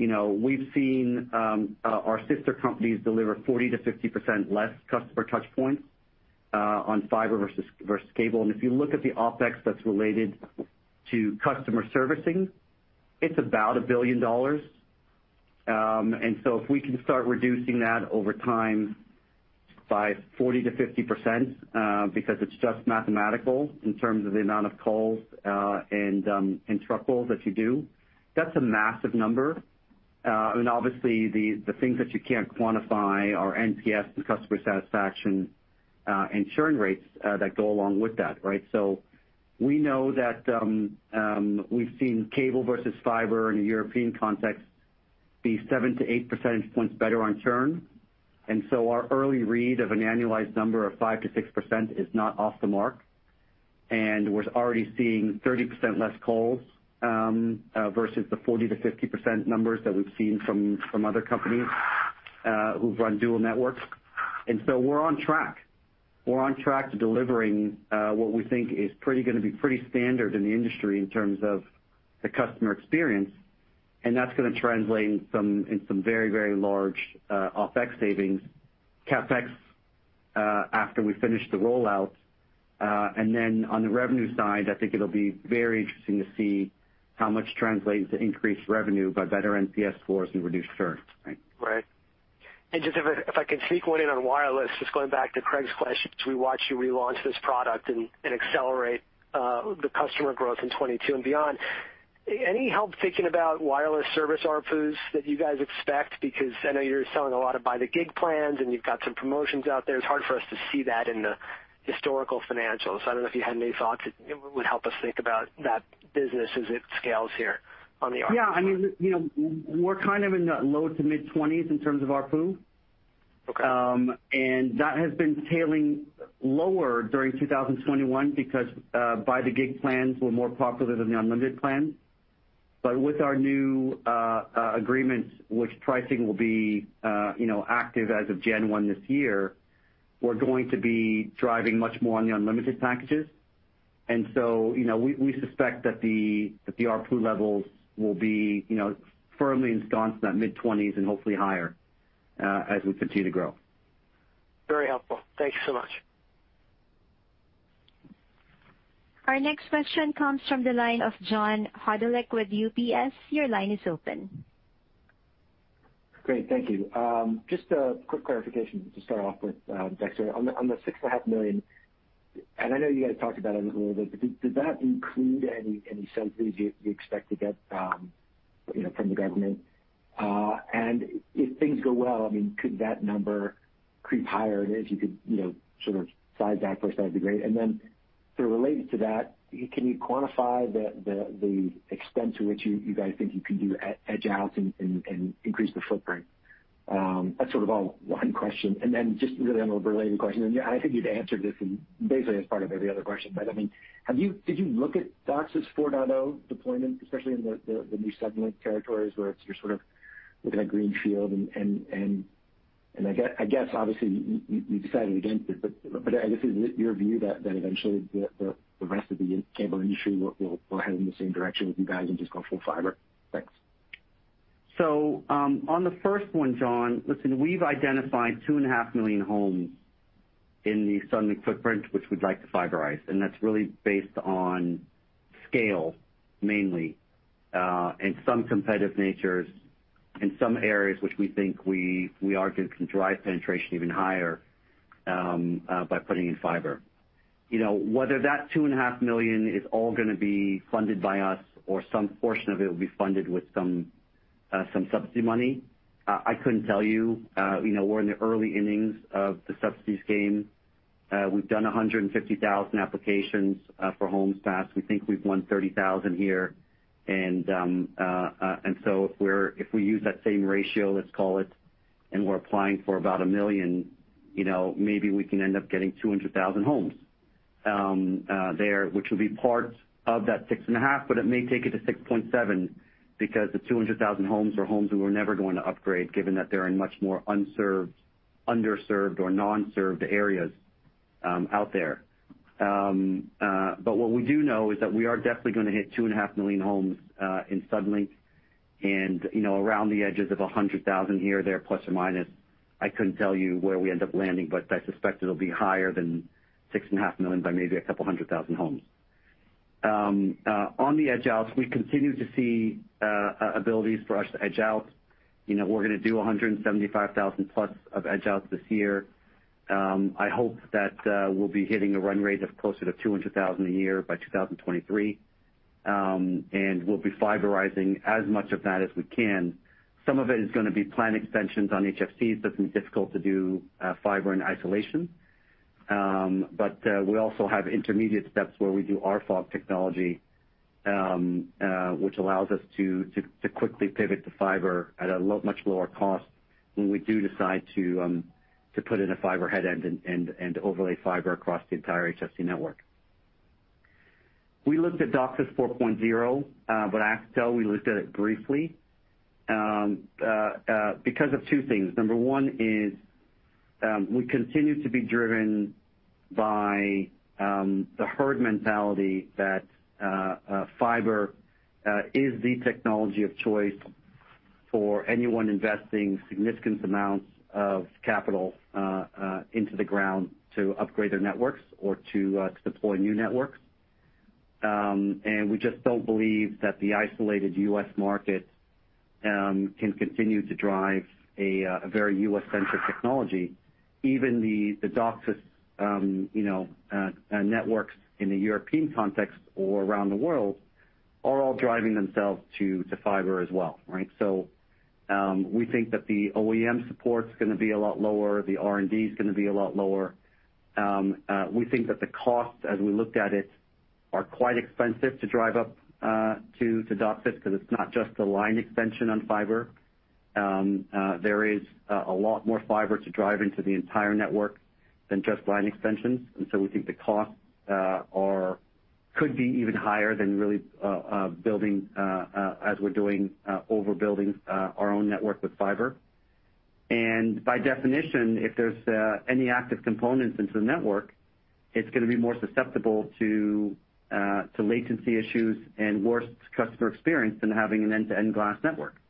You know, we've seen our sister companies deliver 40%-50% less customer touch points on fiber versus cable. If you look at the OpEx that's related to customer servicing, it's about $1 billion. If we can start reducing that over time by 40%-50%, because it's just mathematical in terms of the amount of calls and truck rolls that you do, that's a massive number. Obviously the things that you can't quantify are NPS and customer satisfaction and churn rates that go along with that, right? We know that we've seen cable versus fiber in a European context be 7-8 percentage points better on churn. Our early read of an annualized number of 5%-6% is not off the mark. We're already seeing 30% less calls versus the 40%-50% numbers that we've seen from other companies who run dual networks. We're on track. We're on track to delivering what we think is pretty gonna be pretty standard in the industry in terms of the customer experience, and that's gonna translate in some very large OpEx savings, CapEx after we finish the rollout. Then on the revenue side, I think it'll be very interesting to see how much translates to increased revenue by better NPS scores and reduced churn. Right. Right. Just if I could sneak one in on wireless, just going back to Craig's question, should we watch you relaunch this product and accelerate the customer growth in 2022 and beyond. Any help thinking about wireless service ARPU that you guys expect? Because I know you're selling a lot of by the gig plans, and you've got some promotions out there. It's hard for us to see that in the historical financials. I don't know if you had any thoughts it would help us think about that business as it scales here on the ARPU. Yeah. I mean, you know, we're kind of in the low- to mid-$20s in terms of ARPU. Okay. That has been trailing lower during 2021 because the gig plans were more popular than the unlimited plan. With our new pricing agreements, which will be active as of January 1 this year, we're going to be driving much more on the unlimited packages. You know, we suspect that the ARPU levels will be firmly ensconced in that mid-$20s and hopefully higher as we continue to grow. Very helpful. Thank you so much. Our next question comes from the line of John Hodulik with UBS. Your line is open. Great. Thank you. Just a quick clarification to start off with, Dexter, on the 6.5 million, and I know you guys talked about it a little bit, but did that include any subsidies you expect to get, you know, from the government? If things go well, I mean, could that number creep higher? If you could, you know, sort of size that for us, that'd be great. Sort of related to that, can you quantify the extent to which you guys think you can do edge out and increase the footprint? That's sort of all one question. Then just really on a related question, and I think you've answered this basically as part of every other question, but I mean, did you look at DOCSIS 4.0 deployment, especially in the new Suddenlink territories where you're sort of looking at greenfield? I guess obviously you decided against it, but I guess, is it your view that eventually the rest of the cable industry will head in the same direction with you guys and just go full fiber? Thanks. On the first one, John, listen, we've identified 2.5 million homes in the Suddenlink footprint, which we'd like to fiberize, and that's really based on scale mainly, and some competitive natures in some areas which we think we are gonna drive penetration even higher, by putting in fiber. You know, whether that 2.5 million is all gonna be funded by us or some portion of it will be funded with some subsidy money, I couldn't tell you. You know, we're in the early innings of the subsidies game. We've done 150,000 applications, for homes passed. We think we've won 30,000 here. If we use that same ratio, let's call it, and we're applying for about 1 million, you know, maybe we can end up getting 200,000 homes there, which will be part of that 6.5 million, but it may take it to 6.7 million because the 200,000 homes are homes that we're never going to upgrade, given that they are in much more unserved, underserved or non-served areas out there. What we do know is that we are definitely gonna hit 2.5 million homes in Suddenlink and, you know, around the edges of 100,000 here or there, plus or minus. I couldn't tell you where we end up landing, but I suspect it'll be higher than 6.5 million by maybe a 200,000 homes. On the edge out, we continue to see abilities for us to edge out. You know, we're gonna do 175,000 plus of edge out this year. I hope that we'll be hitting a run rate of closer to 200,000 a year by 2023. We'll be fiberizing as much of that as we can. Some of it is gonna be plan extensions on HFCs. That's been difficult to do, fiber in isolation. We also have intermediate steps where we do RFoG technology, which allows us to quickly pivot to fiber at a much lower cost. When we do decide to put in a fiber headend and overlay fiber across the entire HFC network. We looked at DOCSIS 4.0, but I have to tell, we looked at it briefly, because of two things. Number one is, we continue to be driven by the herd mentality that fiber is the technology of choice for anyone investing significant amounts of capital into the ground to upgrade their networks or to deploy new networks. We just don't believe that the isolated U.S. market can continue to drive a very U.S.-centric technology. Even the DOCSIS networks in the European context or around the world are all driving themselves to fiber as well, right? We think that the OEM support is gonna be a lot lower, the R&D is gonna be a lot lower. We think that the costs as we looked at it are quite expensive to drive up to DOCSIS because it's not just the line extension on fiber. There is a lot more fiber to drive into the entire network than just line extensions. We think the costs could be even higher than really building as we're doing over-building our own network with fiber. By definition, if there's any active components into the network, it's gonna be more susceptible to latency issues and worse customer experience than having an end-to-end glass network.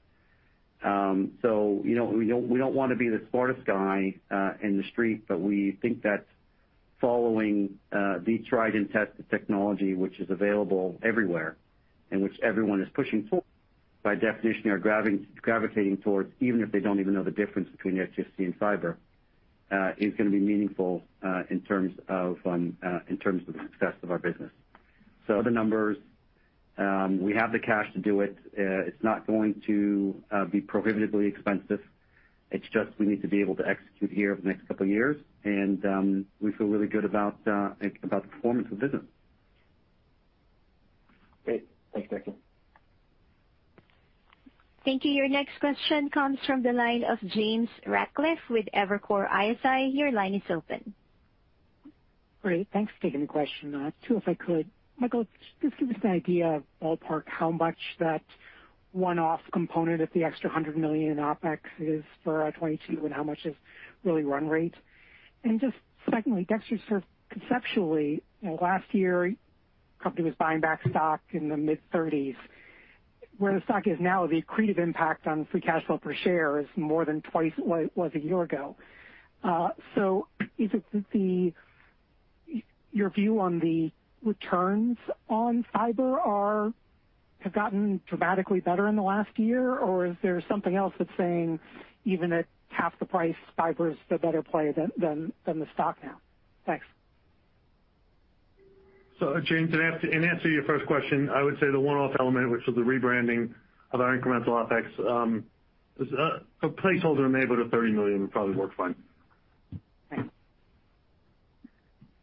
You know, we don't want to be the smartest guy in the street, but we think that following the tried and tested technology, which is available everywhere and which everyone is pushing for, by definition, are gravitating towards, even if they don't even know the difference between HFC and fiber, is gonna be meaningful in terms of the success of our business. The numbers, we have the cash to do it. It's not going to be prohibitively expensive. It's just we need to be able to execute here over the next couple of years. We feel really good about the performance of the business. Great. Thanks, Mike. Thank you. Your next question comes from the line of James Ratcliffe with Evercore ISI. Your line is open. Great. Thanks for taking the question. Two, if I could. Michael, just give us an idea of ballpark how much that one-off component of the extra $100 million in OpEx is for 2022 and how much is really run rate? Just secondly, Dexter, sort of conceptually, you know, last year, company was buying back stock in the mid-30s. Where the stock is now, the accretive impact on free cash flow per share is more than twice what it was a year ago. So is it that your view on the returns on fiber have gotten dramatically better in the last year, or is there something else that's saying even at half the price, fiber is the better play than the stock now? Thanks. James, in answer to your first question, I would say the one-off element, which is the rebranding of our incremental OpEx, is a placeholder in the neighborhood of $30 million would probably work fine.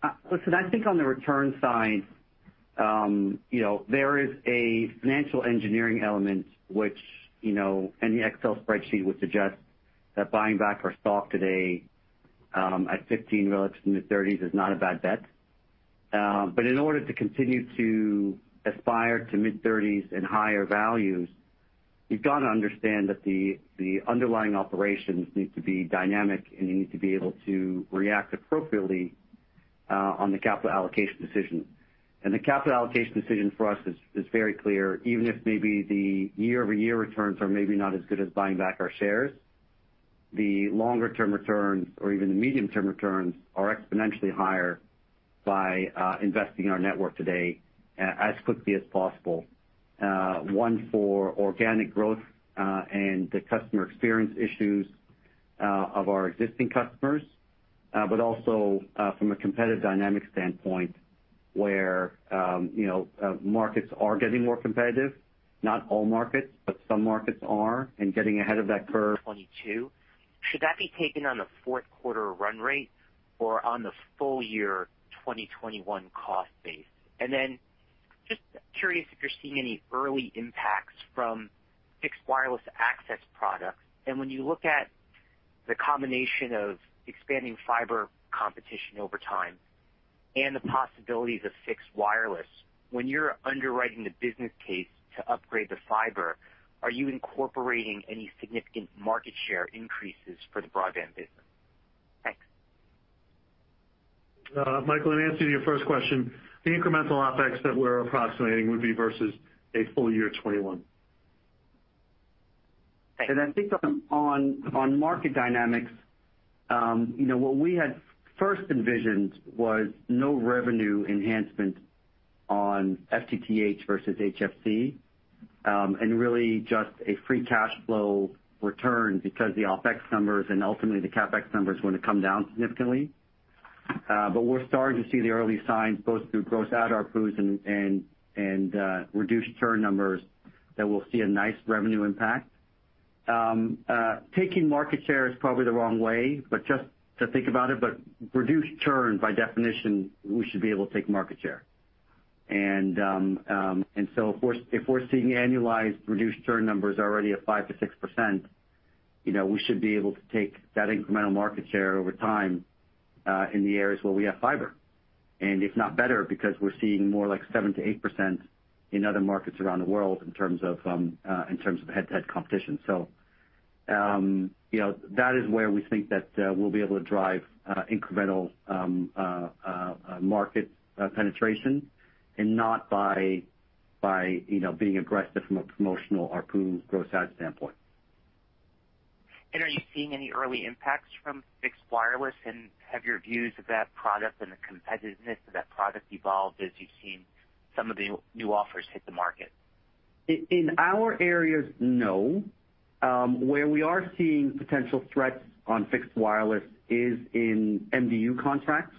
Thanks. Listen, I think on the return side, you know, there is a financial engineering element which, you know, any Excel spreadsheet would suggest that buying back our stock today at 15 relative to mid-30s is not a bad bet. But in order to continue to aspire to mid-30s and higher values, you've got to understand that the underlying operations need to be dynamic, and you need to be able to react appropriately on the capital allocation decision. The capital allocation decision for us is very clear. Even if maybe the year-over-year returns are maybe not as good as buying back our shares, the longer-term returns or even the medium-term returns are exponentially higher by investing in our network today as quickly as possible. One for organic growth, and the customer experience issues of our existing customers, but also from a competitive dynamic standpoint where you know markets are getting more competitive. Not all markets, but some markets are, and getting ahead of that curve. 2022. Should that be taken on the fourth quarter run rate or on the full year 2021 cost base? Then just curious if you're seeing any early impacts from fixed wireless access products. When you look at the combination of expanding fiber competition over time and the possibilities of fixed wireless, when you're underwriting the business case to upgrade the fiber, are you incorporating any significant market share increases for the broadband business? Thanks. Michael, in answer to your first question, the incremental OpEx that we're approximating would be versus a full year 2021. Thanks. I think on market dynamics, you know, what we had first envisioned was no revenue enhancement on FTTH versus HFC, and really just a free cash flow return because the OpEx numbers and ultimately the CapEx numbers were gonna come down significantly. But we're starting to see the early signs both through gross add ARPU and reduced churn numbers that we'll see a nice revenue impact. Taking market share is probably the wrong way, but just to think about it, reduced churn by definition, we should be able to take market share. If we're seeing annualized reduced churn numbers already at 5%-6%, you know, we should be able to take that incremental market share over time, in the areas where we have fiber. If not better, because we're seeing more like 7%-8% in other markets around the world in terms of head-to-head competition. You know, that is where we think that we'll be able to drive incremental market penetration and not by you know, being aggressive from a promotional ARPU gross add standpoint. Are you seeing any early impacts from fixed wireless? Have your views of that product and the competitiveness of that product evolved as you've seen some of the new offers hit the market? In our areas, no. Where we are seeing potential threats on fixed wireless is in MDU contracts,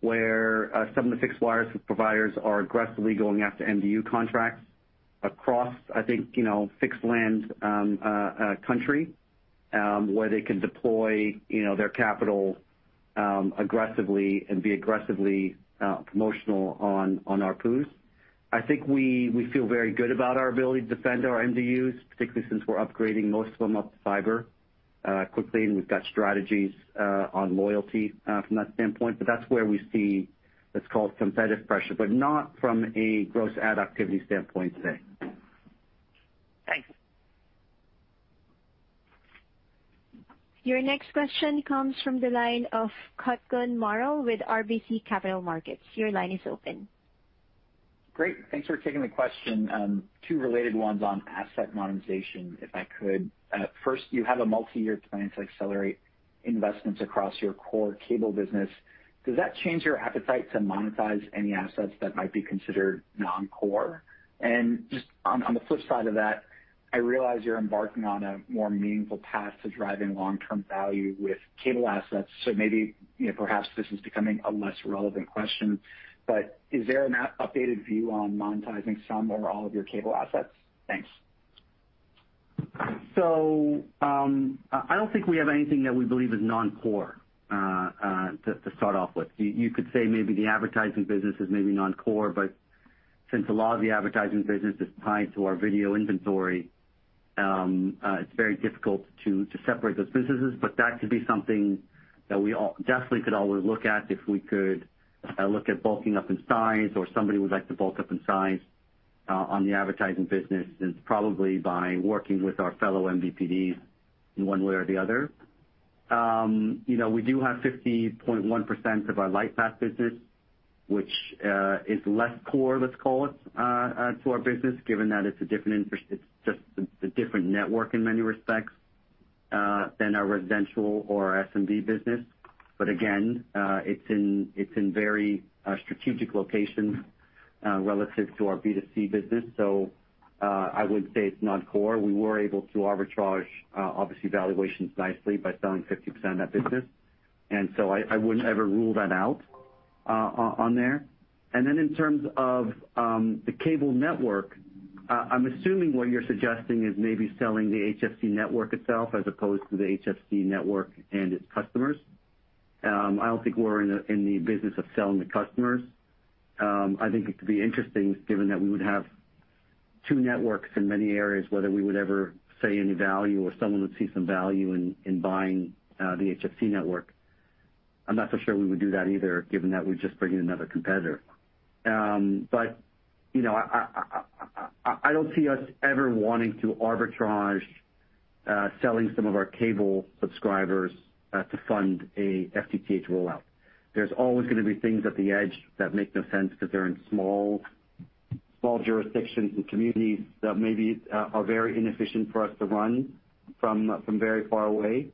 where some of the fixed wireless providers are aggressively going after MDU contracts across the country, where they can deploy their capital aggressively and be aggressively promotional on ARPUs. I think we feel very good about our ability to defend our MDUs, particularly since we're upgrading most of them up to fiber quickly, and we've got strategies on loyalty from that standpoint. That's where we see what's called competitive pressure, but not from a gross add activity standpoint today. Thanks. Your next question comes from the line of Kutgun Maral with RBC Capital Markets. Your line is open. Great. Thanks for taking the question. Two related ones on asset monetization, if I could. First, you have a multiyear plan to accelerate investments across your core cable business. Does that change your appetite to monetize any assets that might be considered non-core? And just on the flip side of that, I realize you're embarking on a more meaningful path to driving long-term value with cable assets, so maybe, you know, perhaps this is becoming a less relevant question, but is there an updated view on monetizing some or all of your cable assets? Thanks. I don't think we have anything that we believe is non-core to start off with. You could say maybe the advertising business is maybe non-core, but since a lot of the advertising business is tied to our video inventory, it's very difficult to separate those businesses. That could be something that definitely could always look at if we could look at bulking up in size or somebody would like to bulk up in size on the advertising business, and probably by working with our fellow MVPDs in one way or the other. You know, we do have 50.1% of our Lightpath business, which is less core, let's call it, to our business, given that it's a different interest, it's just a different network in many respects than our residential or SMB business. Again, it's in very strategic locations relative to our B2C business. I would say it's non-core. We were able to arbitrage obviously valuations nicely by selling 50% of that business. I wouldn't ever rule that out on there. In terms of the cable network, I'm assuming what you're suggesting is maybe selling the HFC network itself as opposed to the HFC network and its customers. I don't think we're in the business of selling the customers. I think it could be interesting given that we would have two networks in many areas, whether we would ever see any value or someone would see some value in buying the HFC network. I'm not so sure we would do that either, given that we're just bringing another competitor. You know, I don't see us ever wanting to arbitrage selling some of our cable subscribers to fund a FTTH rollout. There's always gonna be things at the edge that make no sense because they're in small jurisdictions and communities that maybe are very inefficient for us to run from very far away.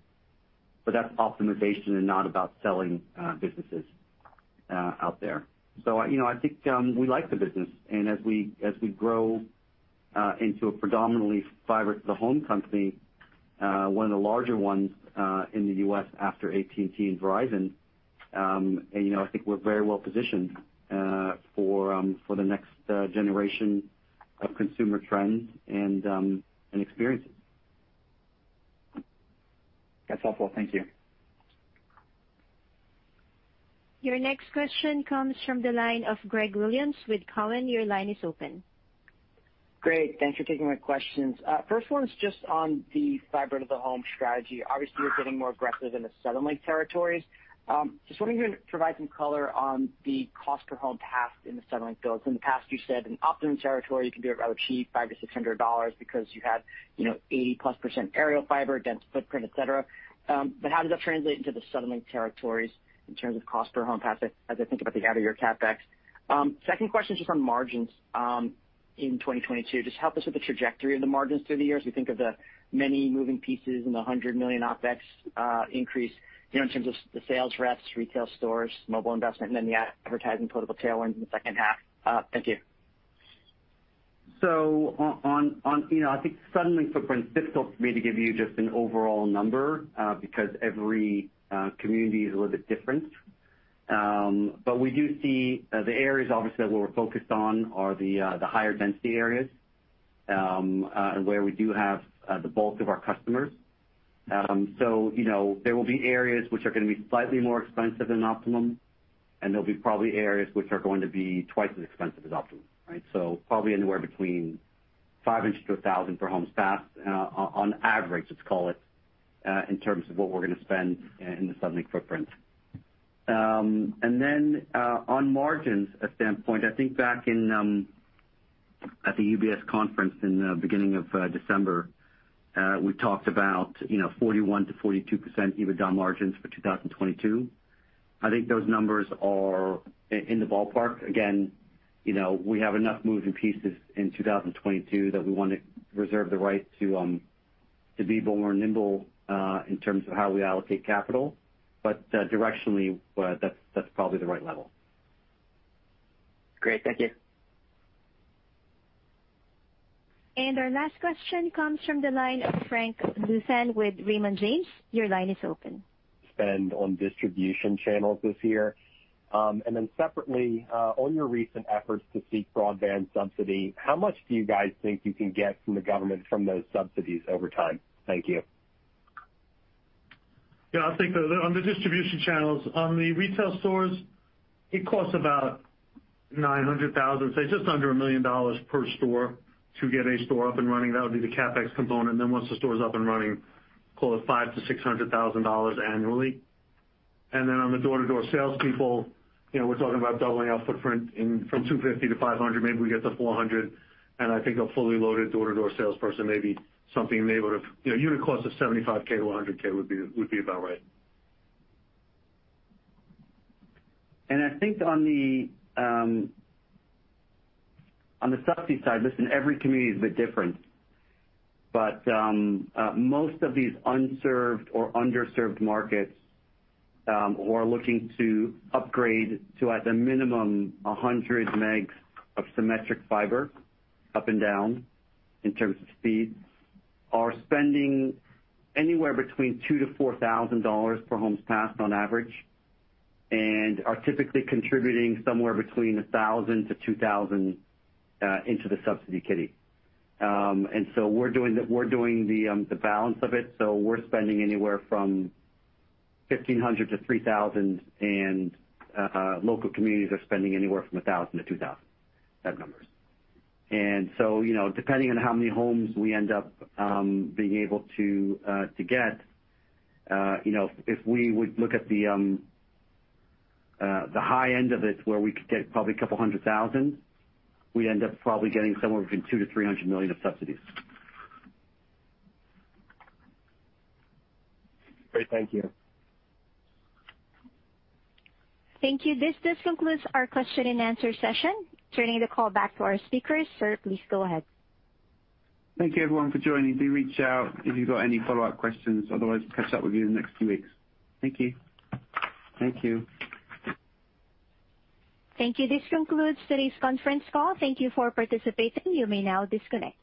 That's optimization and not about selling businesses out there. You know, I think we like the business. As we grow into a predominantly fiber to the home company, one of the larger ones in the U.S. after AT&T and Verizon, you know, I think we're very well positioned for the next generation of consumer trends and experiences. That's helpful. Thank you. Your next question comes from the line of Greg Williams with Cowen. Your line is open. Great. Thanks for taking my questions. First one is just on the fiber to the home strategy. Obviously, you're getting more aggressive in the Suddenlink territories. Just wondering if you can provide some color on the cost per home passed in the Suddenlink builds. In the past, you said in Optimum territory, you can do it rather cheap, $500-$600 because you had, you know, 80%+ aerial fiber, dense footprint, et cetera. How does that translate into the Suddenlink territories in terms of cost per home passed, as I think about the out-year CapEx? Second question is just on margins in 2022. Just help us with the trajectory of the margins through the years. We think of the many moving pieces and the $100 million OpEx increase, you know, in terms of the sales reps, retail stores, mobile investment, and then the advertising political tailwinds in the second half. Thank you. You know, I think Suddenlink footprint, it's difficult for me to give you just an overall number, because every community is a little bit different. But we do see the areas obviously that we're focused on are the higher density areas, where we do have the bulk of our customers. You know, there will be areas which are gonna be slightly more expensive than Optimum, and there'll be probably areas which are going to be twice as expensive as Optimum, right? Probably anywhere between $500-$1,000 per homes passed, on average, let's call it, in terms of what we're gonna spend in the Suddenlink footprint. On margins standpoint, I think back in at the UBS conference in the beginning of December, we talked about, you know, 41%-42% EBITDA margins for 2022. I think those numbers are in the ballpark. Again, you know, we have enough moving pieces in 2022 that we wanna reserve the right to be more nimble in terms of how we allocate capital. Directionally, that's probably the right level. Great. Thank you. Our last question comes from the line of Frank Louthan with Raymond James. Your line is open. Spending on distribution channels this year. Separately, on your recent efforts to seek broadband subsidy, how much do you guys think you can get from the government from those subsidies over time? Thank you. Yeah. I think on the distribution channels, on the retail stores, it costs about $900,000, say just under $1 million per store to get a store up and running. That would be the CapEx component. Then once the store is up and running, call it $500,000-$600,000 annually. Then on the door-to-door salespeople, you know, we're talking about doubling our footprint from 250-500, maybe we get to 400. I think a fully loaded door-to-door salesperson may be something in the order of, you know, unit cost of $75,000-$100,000 would be about right. I think on the subsidy side, listen, every community is a bit different. Most of these unserved or underserved markets who are looking to upgrade to, at the minimum, 100 megs of symmetric fiber up and down in terms of speed, are spending anywhere between $2,000-$4,000 per homes passed on average, and are typically contributing somewhere between $1,000-$2,000 into the subsidy kitty. We're doing the balance of it. We're spending anywhere from $1,500-$3,000, and local communities are spending anywhere from $1,000-$2,000, have numbers. You know, depending on how many homes we end up being able to get, you know, if we would look at the high end of it where we could get probably 200,000, we end up probably getting somewhere between $200 million-$300 million of subsidies. Great. Thank you. Thank you. This concludes our question and answer session. Turning the call back to our speakers. Sir, please go ahead. Thank you everyone for joining. Do reach out if you've got any follow-up questions. Otherwise, catch up with you in the next few weeks. Thank you. Thank you. Thank you. This concludes today's conference call. Thank you for participating. You may now disconnect.